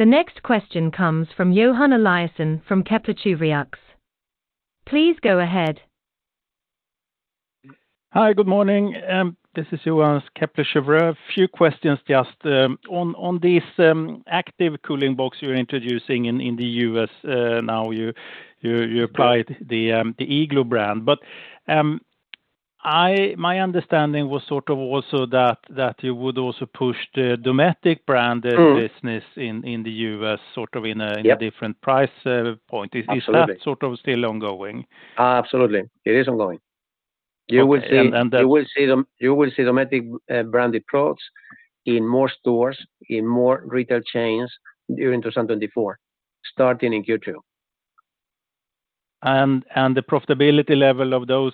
The next question comes from Johan Eliasson from Kepler Cheuvreux. Please go ahead. Hi. Good morning. This is Johan from Kepler Cheuvreux. A few questions just on this active cooling box you're introducing in the U.S. now. You applied the Igloo brand. But my understanding was sort of also that you would also push the Dometic brand business in the U.S. sort of in a different price point. Is that sort of still ongoing? Absolutely. It is ongoing. You will see Dometic branded products in more stores, in more retail chains during 2024, starting in Q2. And the profitability level of those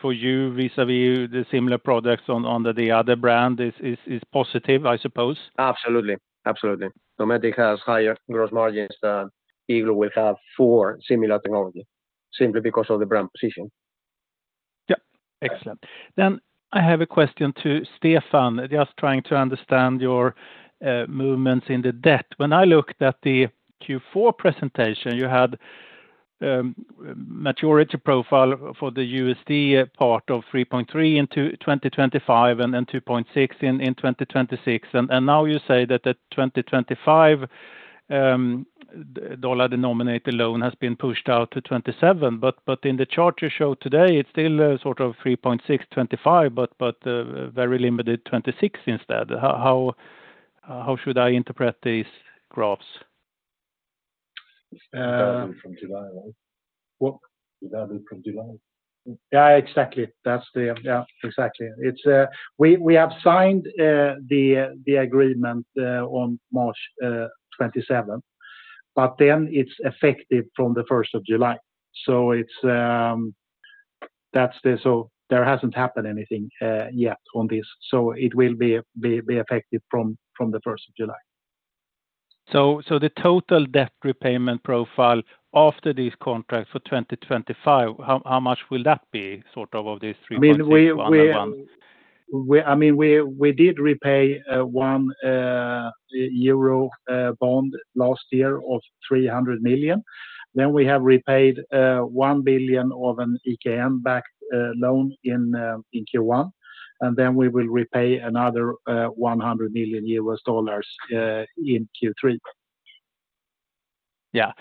for you vis-à-vis the similar products under the other brand is positive, I suppose? Absolutely. Absolutely. Dometic has higher gross margins than Igloo will have for similar technology simply because of the brand position. Yep. Excellent. Then I have a question to Stefan, just trying to understand your movements in the debt. When I looked at the Q4 presentation, you had maturity profile for the USD part of $3.3 in 2025 and $2.6 in 2026. And now you say that the 2025 dollar-denominated loan has been pushed out to 2027. But in the chart you showed today, it's still sort of $3.625, but very limited 26 instead. How should I interpret these graphs? Effective from July, right? What? Effective from July. Yeah, exactly. Yeah, exactly. We have signed the agreement on March 27, but then it's effective from the 1st of July. So there hasn't happened anything yet on this. So it will be effective from the 1st of July. So the total debt repayment profile after this contract for 2025, how much will that be sort of of these 3.6-10.1? I mean, we did repay 1 euro bond last year of 300 million. Then we have repaid 1 billion of an EKN-backed loan in Q1. And then we will repay another $100 million in Q3. Yeah.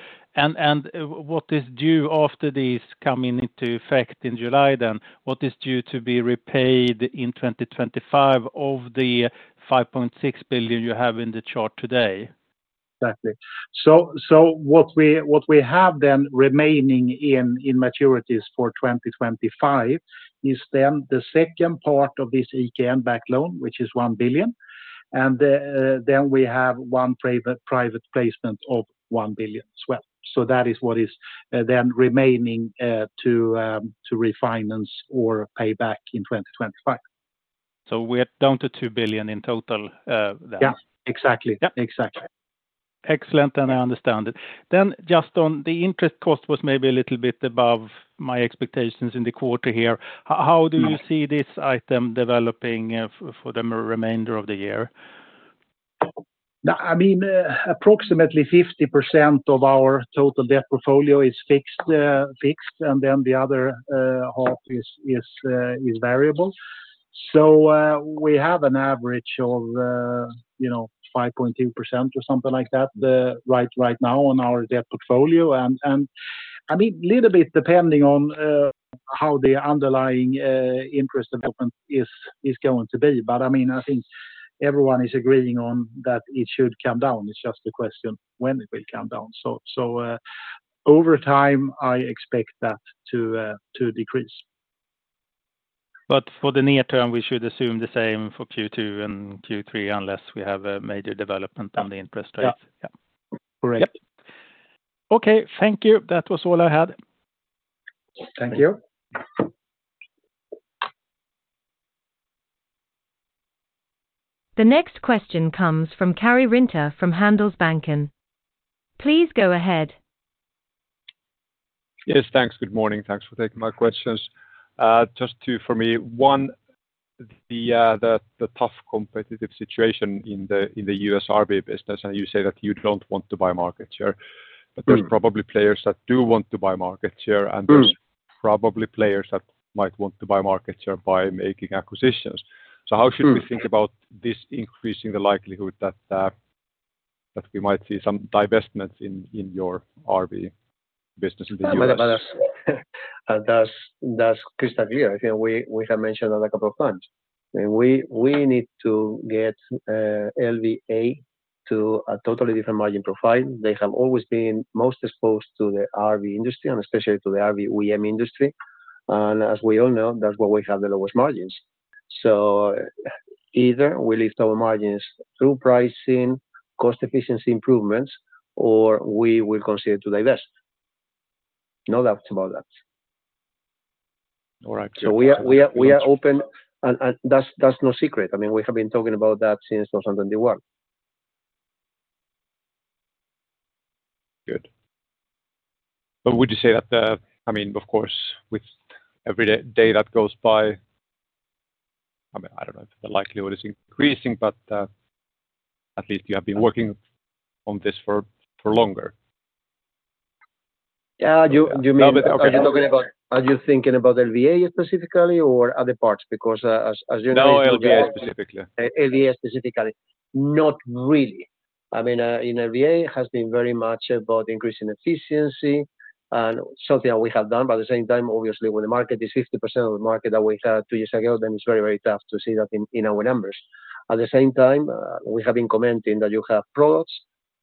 What is due after these coming into effect in July then? What is due to be repaid in 2025 of the 5.6 billion you have in the chart today? Exactly. So what we have then remaining in maturities for 2025 is then the second part of this EKN-backed loan, which is 1 billion. And then we have one private placement of 1 billion as well. So that is what is then remaining to refinance or pay back in 2025. We are down to 2 billion in total then? Yeah. Exactly. Exactly. Excellent. I understand it. Just on the interest cost was maybe a little bit above my expectations in the quarter here. How do you see this item developing for the remainder of the year? I mean, approximately 50% of our total debt portfolio is fixed, and then the other half is variable. So we have an average of 5.2% or something like that right now on our debt portfolio. And I mean, a little bit depending on how the underlying interest development is going to be. But I mean, I think everyone is agreeing on that it should come down. It's just a question when it will come down. So over time, I expect that to decrease. For the near term, we should assume the same for Q2 and Q3 unless we have a major development on the interest rates. Yeah. Correct. Yep. Okay. Thank you. That was all I had. Thank you. The next question comes from Karri Rinta from Handelsbanken. Please go ahead. Yes. Thanks. Good morning. Thanks for taking my questions. Just for me, one, the tough competitive situation in the U.S. RV business, and you say that you don't want to buy market share. But there's probably players that do want to buy market share, and there's probably players that might want to buy market share by making acquisitions. So how should we think about this increasing the likelihood that we might see some divestments in your RV business in the U.S.? That's crystal clear. I think we have mentioned that a couple of times. I mean, we need to get LVA to a totally different margin profile. They have always been most exposed to the RV industry and especially to the RV OEM industry. And as we all know, that's where we have the lowest margins. So either we lift our margins through pricing, cost-efficiency improvements, or we will consider to divest. No doubts about that. All right. Good question. So we are open, and that's no secret. I mean, we have been talking about that since 2021. Good. But would you say that? I mean, of course, with every day that goes by, I mean, I don't know if the likelihood is increasing, but at least you have been working on this for longer. Yeah. You mean, are you talking about, are you thinking about LVA specifically or other parts? Because as you know. No, LVA specifically. LVA specifically. Not really. I mean, in LVA, it has been very much about increasing efficiency and something that we have done. But at the same time, obviously, when the market is 50% of the market that we had two years ago, then it's very, very tough to see that in our numbers. At the same time, we have been commenting that you have products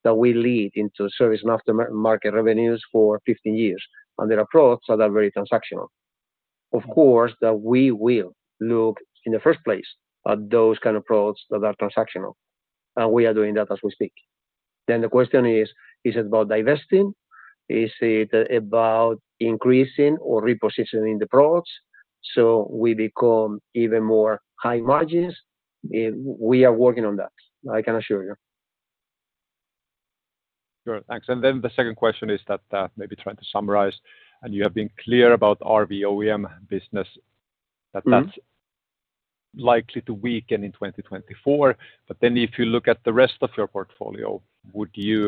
that we lead into service and aftermarket revenues for 15 years. And there are products that are very transactional. Of course, that we will look in the first place at those kind of products that are transactional. And we are doing that as we speak. Then the question is, is it about divesting? Is it about increasing or repositioning the products so we become even more high margins? We are working on that. I can assure you. Sure. Thanks. And then the second question is that maybe trying to summarize, and you have been clear about RV OEM business, that that's likely to weaken in 2024. But then if you look at the rest of your portfolio, do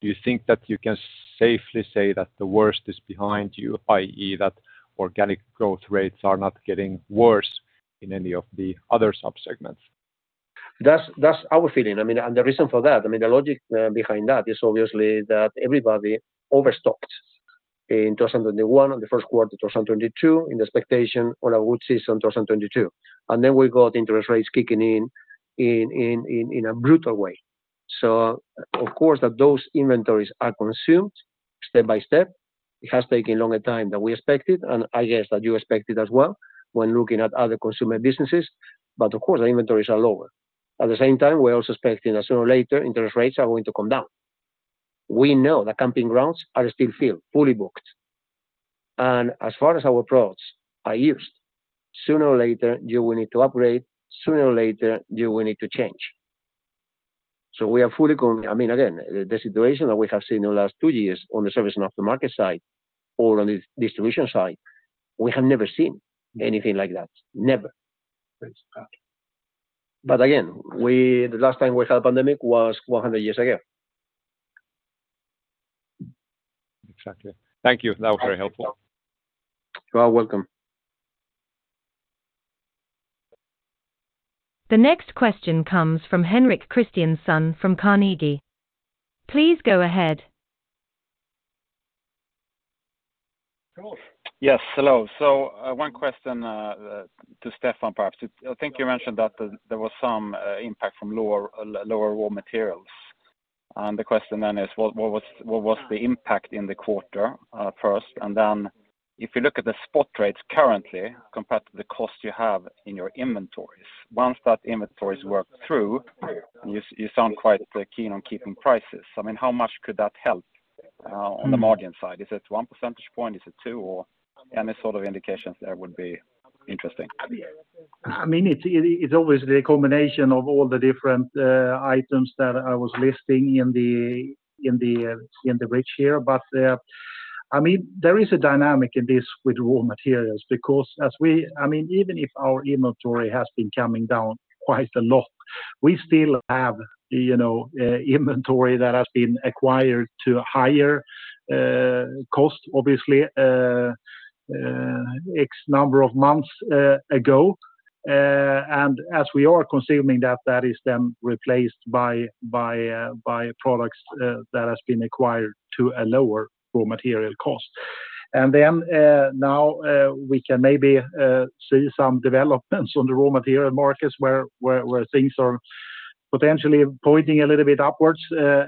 you think that you can safely say that the worst is behind you, i.e., that organic growth rates are not getting worse in any of the other subsegments? That's our feeling. I mean, and the reason for that I mean, the logic behind that is obviously that everybody overstocked in 2021, on the first quarter of 2022, in the expectation on a good season 2022. And then we got interest rates kicking in in a brutal way. So of course that those inventories are consumed step by step. It has taken longer time than we expected, and I guess that you expected as well when looking at other consumer businesses. But of course, the inventories are lower. At the same time, we're also expecting that sooner or later, interest rates are going to come down. We know that camping grounds are still filled, fully booked. And as far as our products are used, sooner or later, you will need to upgrade. Sooner or later, you will need to change. So we are fully I mean, again, the situation that we have seen in the last two years on the service and aftermarket side or on the distribution side, we have never seen anything like that. Never. But again, the last time we had a pandemic was 100 years ago. Exactly. Thank you. That was very helpful. You're welcome. The next question comes from Henrik Christiansson from Carnegie. Please go ahead. Sure. Yes. Hello. So one question to Stefan, perhaps. I think you mentioned that there was some impact from lower raw materials. And the question then is, what was the impact in the first quarter? And then if you look at the spot rates currently compared to the cost you have in your inventories, once that inventory is worked through and you sound quite keen on keeping prices, I mean, how much could that help on the margin side? Is it one percentage point? Is it two? Or any sort of indications that would be interesting? I mean, it's always the combination of all the different items that I was listing in the bridge here. I mean, there is a dynamic in this with raw materials because as we, I mean, even if our inventory has been coming down quite a lot, we still have inventory that has been acquired at higher cost, obviously, X number of months ago. As we are consuming that, that is then replaced by products that have been acquired at a lower raw material cost. Now we can maybe see some developments on the raw material markets where things are potentially pointing a little bit upwards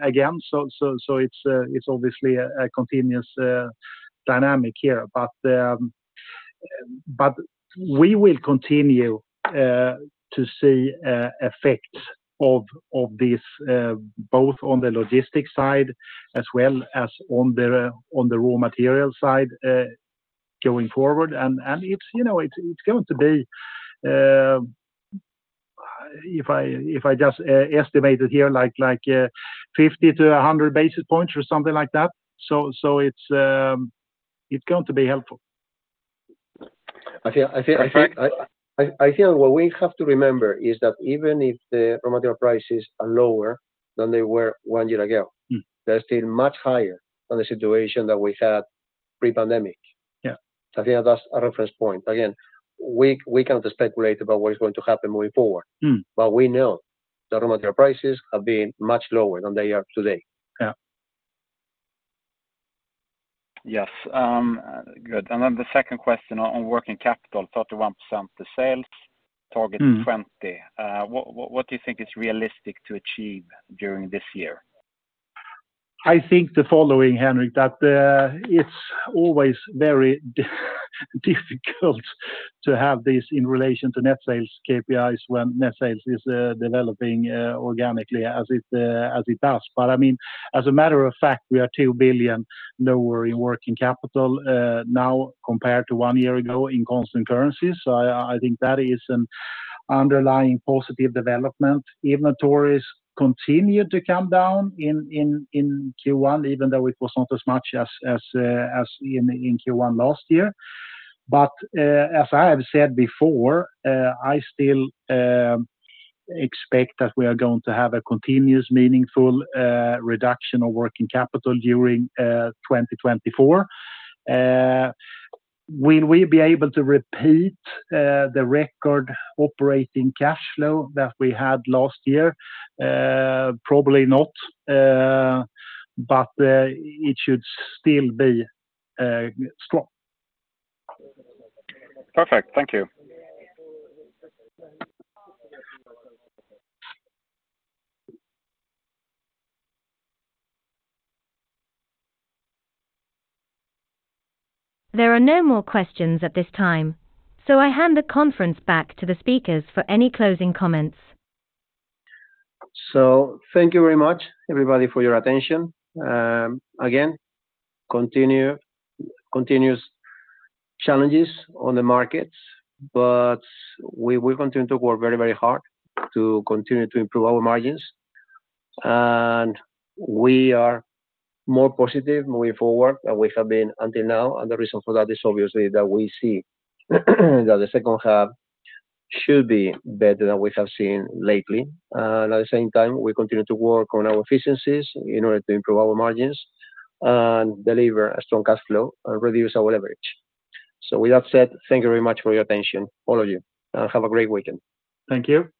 again. It's obviously a continuous dynamic here. We will continue to see effects of this both on the logistics side as well as on the raw material side going forward. It's going to be if I just estimate it here, like 50-100 basis points or something like that. It's going to be helpful. I think what we have to remember is that even if the raw material prices are lower than they were one year ago, they're still much higher than the situation that we had pre-pandemic. I think that's a reference point. Again, we cannot speculate about what is going to happen moving forward. But we know that raw material prices have been much lower than they are today. Yes. Good. And then the second question on working capital, 31% the sales, target 20%. What do you think is realistic to achieve during this year? I think the following, Henrik, that it's always very difficult to have this in relation to net sales KPIs when net sales is developing organically as it does. But I mean, as a matter of fact, we are 2 billion lower in working capital now compared to one year ago in constant currencies. So I think that is an underlying positive development. Inventories continue to come down in Q1, even though it was not as much as in Q1 last year. But as I have said before, I still expect that we are going to have a continuous meaningful reduction of working capital during 2024. Will we be able to repeat the record operating cash flow that we had last year? Probably not. But it should still be strong. Perfect. Thank you. There are no more questions at this time, so I hand the conference back to the speakers for any closing comments. Thank you very much, everybody, for your attention. Again, continuous challenges on the markets, but we will continue to work very, very hard to continue to improve our margins. We are more positive moving forward than we have been until now. The reason for that is obviously that we see that the second half should be better than we have seen lately. At the same time, we continue to work on our efficiencies in order to improve our margins and deliver a strong cash flow and reduce our leverage. With that said, thank you very much for your attention, all of you. Have a great weekend. Thank you.